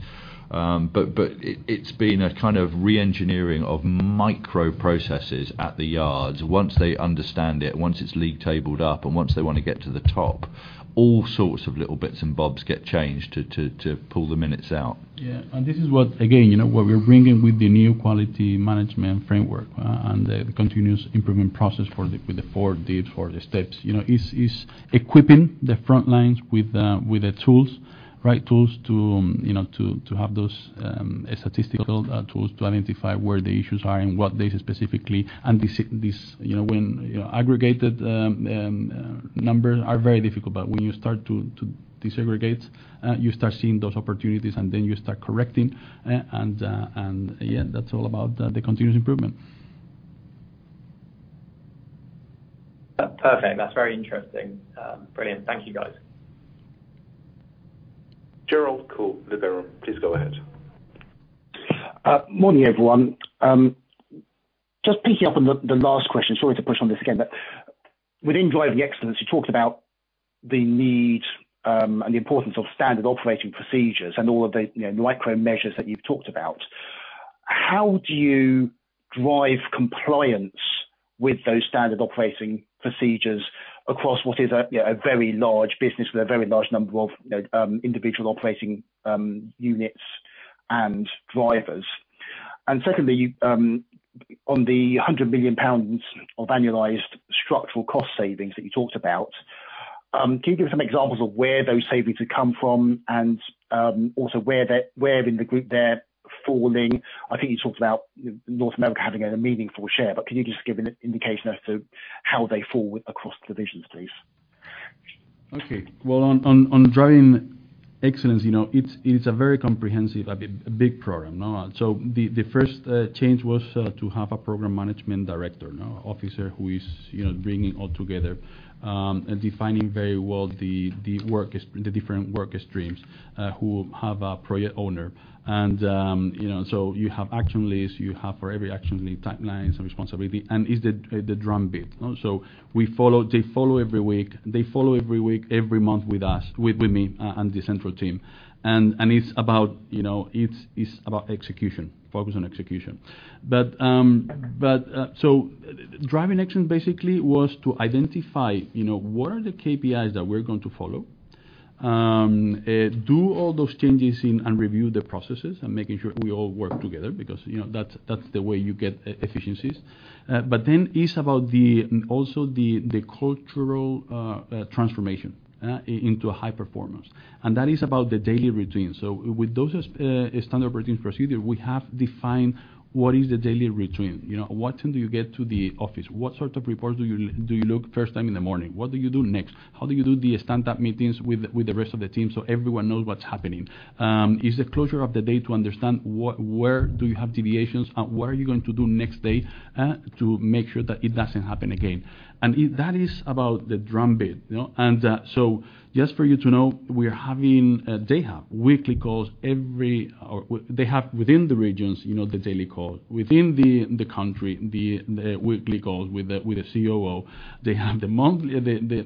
It's been a kind of re-engineering of micro processes at the yards. Once they understand it, once it's league tabled up, and once they want to get to the top, all sorts of little bits and bobs get changed to pull the minutes out. Yeah. This is what, again, what we're bringing with the new quality management framework and the continuous improvement process with the Four Ds, four steps, is equipping the front lines with the tools to have those statistical tools to identify where the issues are and what data specifically. When aggregated numbers are very difficult, but when you start to disaggregate, you start seeing those opportunities, and then you start correcting, and yeah, that's all about the continuous improvement. Perfect. That's very interesting. Brilliant. Thank you, guys. Gerald Khoo, Liberum, please go ahead. Morning, everyone. Just picking up on the last question, sorry to push on this again, Within Driving Excellence, you talked about the need and the importance of standard operating procedures and all of the micro measures that you've talked about. How do you drive compliance with those standard operating procedures across what is a very large business with a very large number of individual operating units and drivers? Secondly, on the 100 million pounds of annualized structural cost savings that you talked about, can you give some examples of where those savings have come from and also where in the group they're falling? I think you talked about North America having a meaningful share, Can you just give an indication as to how they fall across divisions, please? Okay. On Driving Excellence, it's a very comprehensive, a big program. The first change was to have a program management director officer who is bringing all together and defining very well the different work streams who have a project owner. You have action lists, you have for every action list, timelines and responsibility, and it's the drum beat. They follow every week, every month with us, with me, and the central team. It's about execution, focus on execution. Driving Excellence basically was to identify what are the KPIs that we're going to follow? Do all those changes and review the processes and making sure we all work together because that's the way you get efficiencies. It's about also the cultural transformation into a high performance. That is about the daily routine. With those standard operating procedure, we have defined what is the daily routine. What time do you get to the office? What sort of reports do you look first time in the morning? What do you do next? How do you do the standup meetings with the rest of the team so everyone knows what's happening? Is the closure of the day to understand where do you have deviations and what are you going to do next day to make sure that it doesn't happen again? That is about the drum beat. Just for you to know, they have weekly calls Or they have within the regions the daily call, within the country the weekly calls with the COO. They have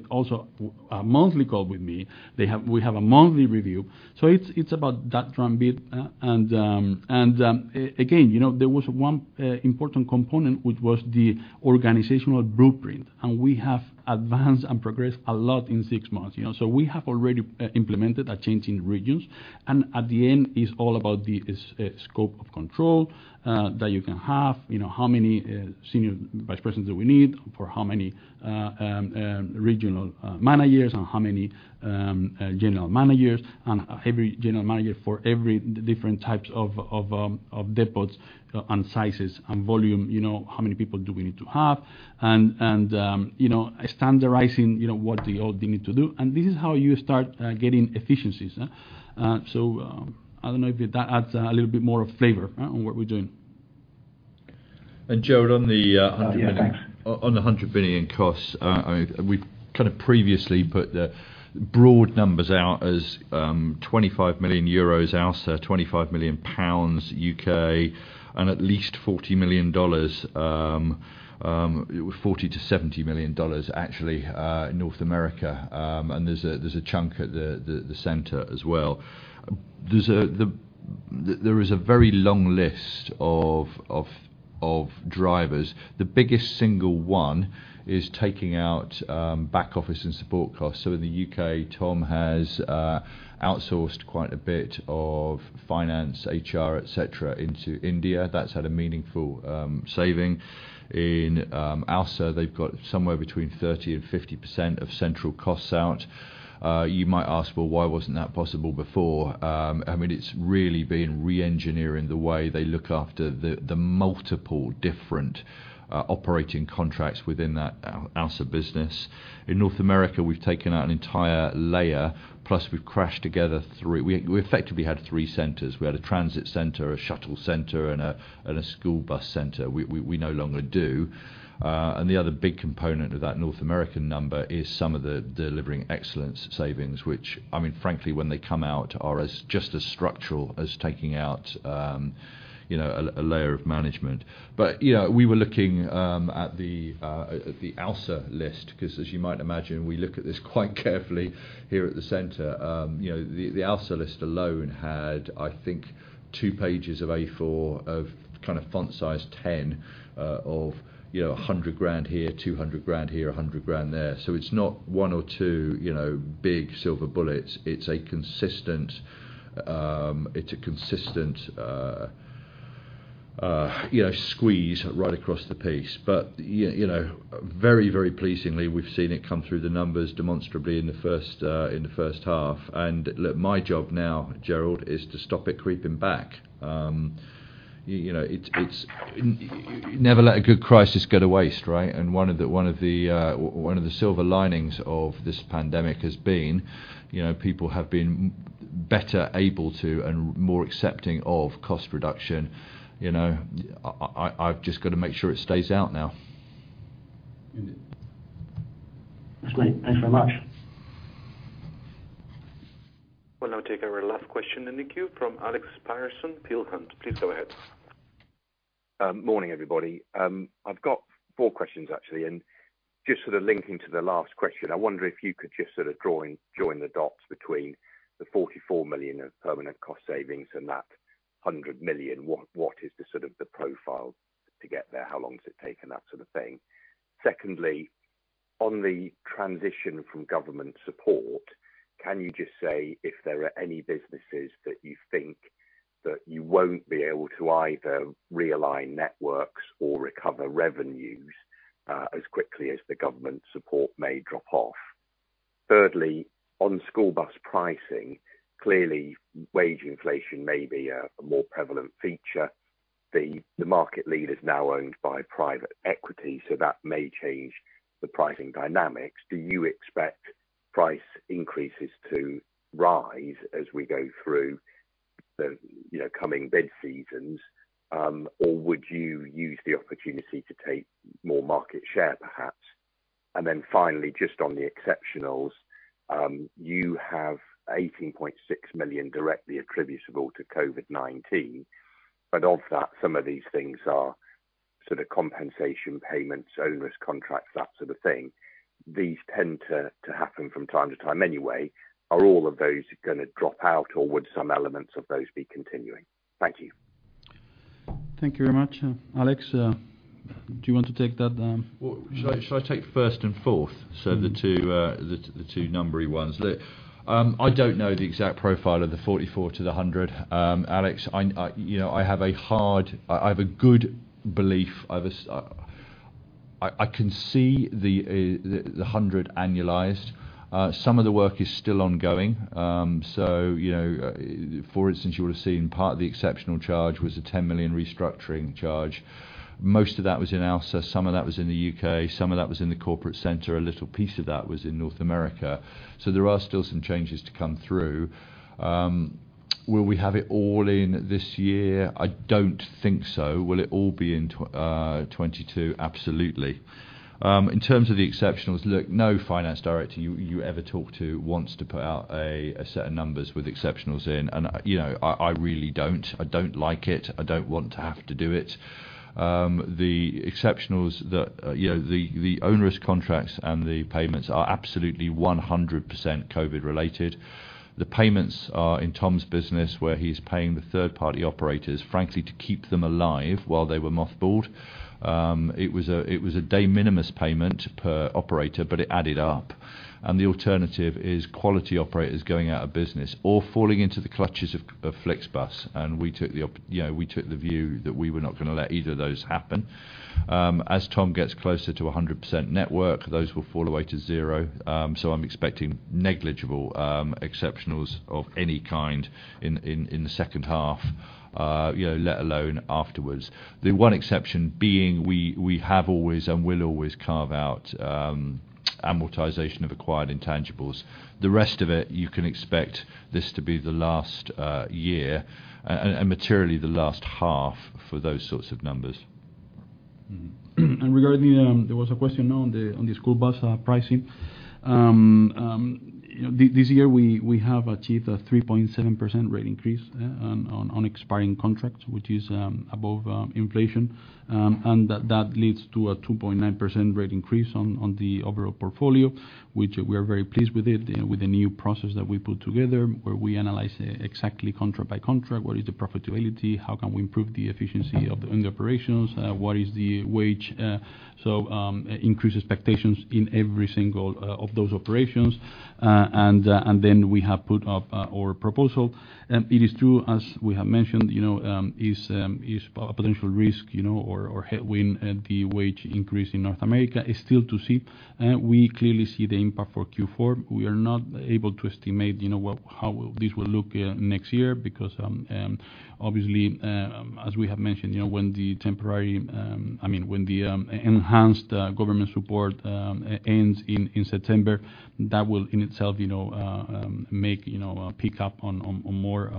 also a monthly call with me. We have a monthly review. It's about that drum beat. Again, there was one important component, which was the organizational blueprint. We have advanced and progressed a lot in six months. We have already implemented a change in regions, and at the end, it's all about the scope of control that you can have. How many senior vice presidents do we need for how many regional managers and how many general managers? Every general manager for every different types of depots and sizes and volume, how many people do we need to have? Standardizing what they need to do, this is how you start getting efficiencies. I don't know if that adds a little bit more flavor on what we're doing. Gerald. Yeah, thanks. On the 100 million costs. We previously put the broad numbers out as 25 million euros ALSA, 25 million pounds U.K., at least $40 million, $40 million-$70 million actually in North America. There's a chunk at the center as well. There is a very long list of drivers. The biggest single one is taking out back office and support costs. In the U.K., Tom has outsourced quite a bit of finance, HR, et cetera, into India. That's had a meaningful saving. In ALSA, they've got somewhere between 30% and 50% of central costs out. You might ask, "Well, why wasn't that possible before?" It's really been re-engineering the way they look after the multiple different operating contracts within that ALSA business. In North America, we've taken out an entire layer, plus we've crashed together three centers. We had a transit center, a shuttle center, and a school bus center. We no longer do. The other big component of that North American number is some of the Driving Excellence savings, which frankly, when they come out, are just as structural as taking out a layer of management. We were looking at the ALSA list because, as you might imagine, we look at this quite carefully here at the center. The ALSA list alone had, I think, two pages of A4 of font size 10 of 100,000 here, 200,000 here, 100,000 there. It's not one or two big silver bullets. It's a consistent squeeze right across the piece. Very, very pleasingly, we've seen it come through the numbers demonstrably in the first half. Look, my job now, Gerald, is to stop it creeping back. Never let a good crisis go to waste, right? One of the silver linings of this pandemic has been people have been better able to and more accepting of cost reduction. I've just got to make sure it stays out now. Indeed. That's great. Thanks very much. We'll now take our last question in the queue from Alex Paterson, Peel Hunt. Please go ahead. Morning, everybody. I've got four questions, actually, and just sort of linking to the last question, I wonder if you could just sort of join the dots between the 44 million of permanent cost savings and that 100 million. What is the sort of the profile to get there? How long does it take? Secondly, on the transition from government support, can you just say if there are any businesses that you think that you won't be able to either realign networks or recover revenues, as quickly as the government support may drop off? Thirdly, on school bus pricing, clearly wage inflation may be a more prevalent feature. The market lead is now owned by private equity, so that may change the pricing dynamics. Do you expect price increases to rise as we go through the coming bid seasons? Would you use the opportunity to take more market share, perhaps? Finally, just on the exceptionals, you have 18.6 million directly attributable to COVID-19, but of that, some of these things are sort of compensation payments, onerous contracts, that sort of thing. These tend to happen from time to time anyway. Are all of those going to drop out, or would some elements of those be continuing? Thank you. Thank you very much. Alex, do you want to take that? Should I take first and fourth? The two numbery ones. Look, I don't know the exact profile of the 44 to the 100, Alex. I have a good belief. I can see the 100 annualized. Some of the work is still ongoing. For instance, you would have seen part of the exceptional charge was a 10 million restructuring charge. Most of that was in ALSA. Some of that was in the U.K. Some of that was in the corporate center. A little piece of that was in North America. There are still some changes to come through. Will we have it all in this year? I don't think so. Will it all be in 2022? Absolutely. In terms of the exceptionals, look, no finance director you ever talk to wants to put out a set of numbers with exceptionals in, and I really don't. I don't like it. I don't want to have to do it. The exceptionals, the onerous contracts, and the payments are absolutely 100% COVID related. The payments are in Tom's business, where he's paying the third-party operators, frankly, to keep them alive while they were mothballed. It was a de minimis payment per operator, but it added up, and the alternative is quality operators going out of business or falling into the clutches of FlixBus, and we took the view that we were not going to let either of those happen. As Tom gets closer to 100% network, those will fall away to zero. I'm expecting negligible exceptionals of any kind in the second half, let alone afterwards. The one exception being we have always and will always carve out amortization of acquired intangibles. The rest of it, you can expect this to be the last year, and materially, the last half for those sorts of numbers. Regarding, there was a question on the school bus pricing. This year, we have achieved a 3.7% rate increase on expiring contracts, which is above inflation, and that leads to a 2.9% rate increase on the overall portfolio, which we are very pleased with it, with the new process that we put together, where we analyze exactly contract by contract, what is the profitability, how can we improve the efficiency of the operations, what is the wage. So increase expectations in every single of those operations. Then we have put up our proposal. It is true, as we have mentioned, is potential risk or headwind at the wage increase in North America is still to see. We clearly see the impact for Q4. We are not able to estimate how this will look next year because, obviously, as we have mentioned, when the enhanced government support ends in September, that will, in itself, pick up on more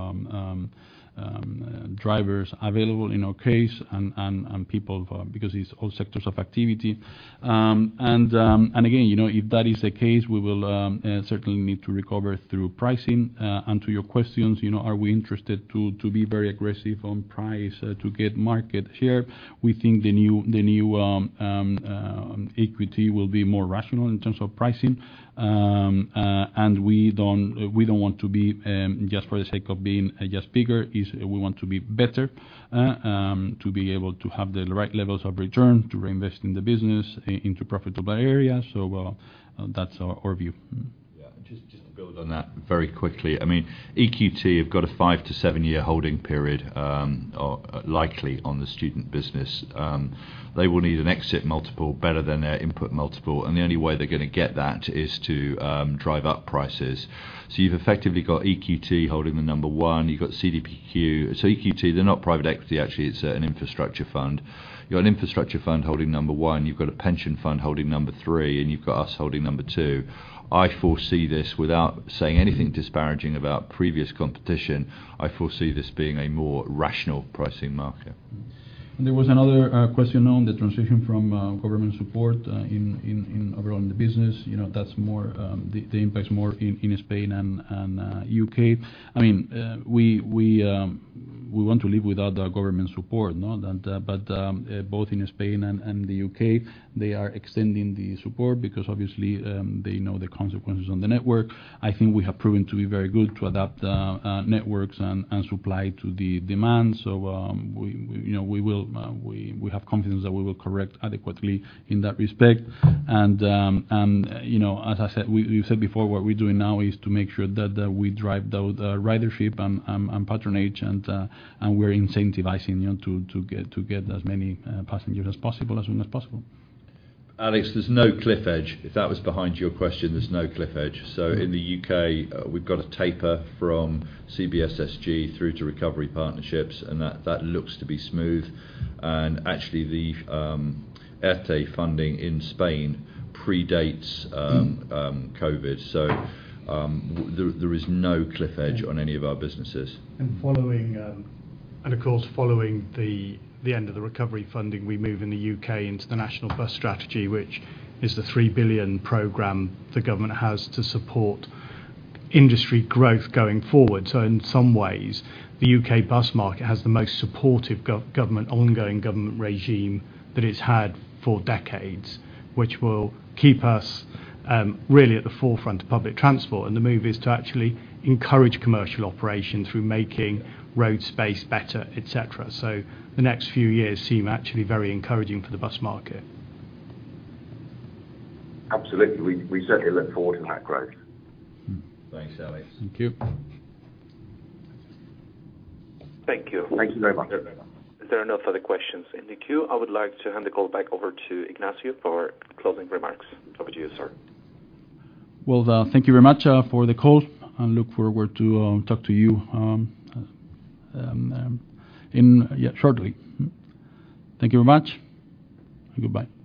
drivers available in our case, and people, because it's all sectors of activity. Again, if that is the case, we will certainly need to recover through pricing. To your questions, are we interested to be very aggressive on price to get market share? We think the new entrant will be more rational in terms of pricing. We don't want to be just for the sake of being just bigger, is we want to be better, to be able to have the right levels of return to reinvest in the business into profitable areas. That's our view. Yeah. Just to build on that very quickly. EQT have got a five to seven-year holding period, likely on the student transportation. They will need an exit multiple better than their input multiple, and the only way they're going to get that is to drive up prices. You've effectively got EQT holding the number one. You've got CDPQ. EQT, they're not private equity, actually. It's an infrastructure fund. You've got an infrastructure fund holding number one, you've got a pension fund holding number three, and you've got us holding number two. I foresee this without saying anything disparaging about previous competition. I foresee this being a more rational pricing market. There was another question on the transition from government support overall in the business. The impact is more in Spain and U.K. We want to live without government support. Both in Spain and the U.K., they are extending the support because obviously, they know the consequences on the network. I think we have proven to be very good to adapt networks and supply to the demand. We have confidence that we will correct adequately in that respect. As we said before, what we're doing now is to make sure that we drive the ridership and patronage, and we're incentivizing to get as many passengers as possible, as soon as possible. Alex, there's no cliff edge. If that was behind your question, there's no cliff edge. In the U.K., we've got a taper from CBSSG through to recovery partnerships, and that looks to be smooth. Actually, the ERTE funding in Spain predates COVID. There is no cliff edge on any of our businesses. Of course, following the end of the recovery funding, we move in the U.K. into the National Bus Strategy, which is the 3 billion program the government has to support industry growth going forward. In some ways, the U.K. bus market has the most supportive ongoing government regime that it's had for decades, which will keep us really at the forefront of public transport. The move is to actually encourage commercial operation through making road space better, et cetera. The next few years seem actually very encouraging for the bus market. Absolutely. We certainly look forward to that growth. Thanks, Alex. Thank you. Thank you. Thank you very much. As there are no further questions in the queue, I would like to hand the call back over to Ignacio for closing remarks. Over to you, sir. Well, thank you very much for the call, and look forward to talk to you shortly. Thank you very much, and goodbye.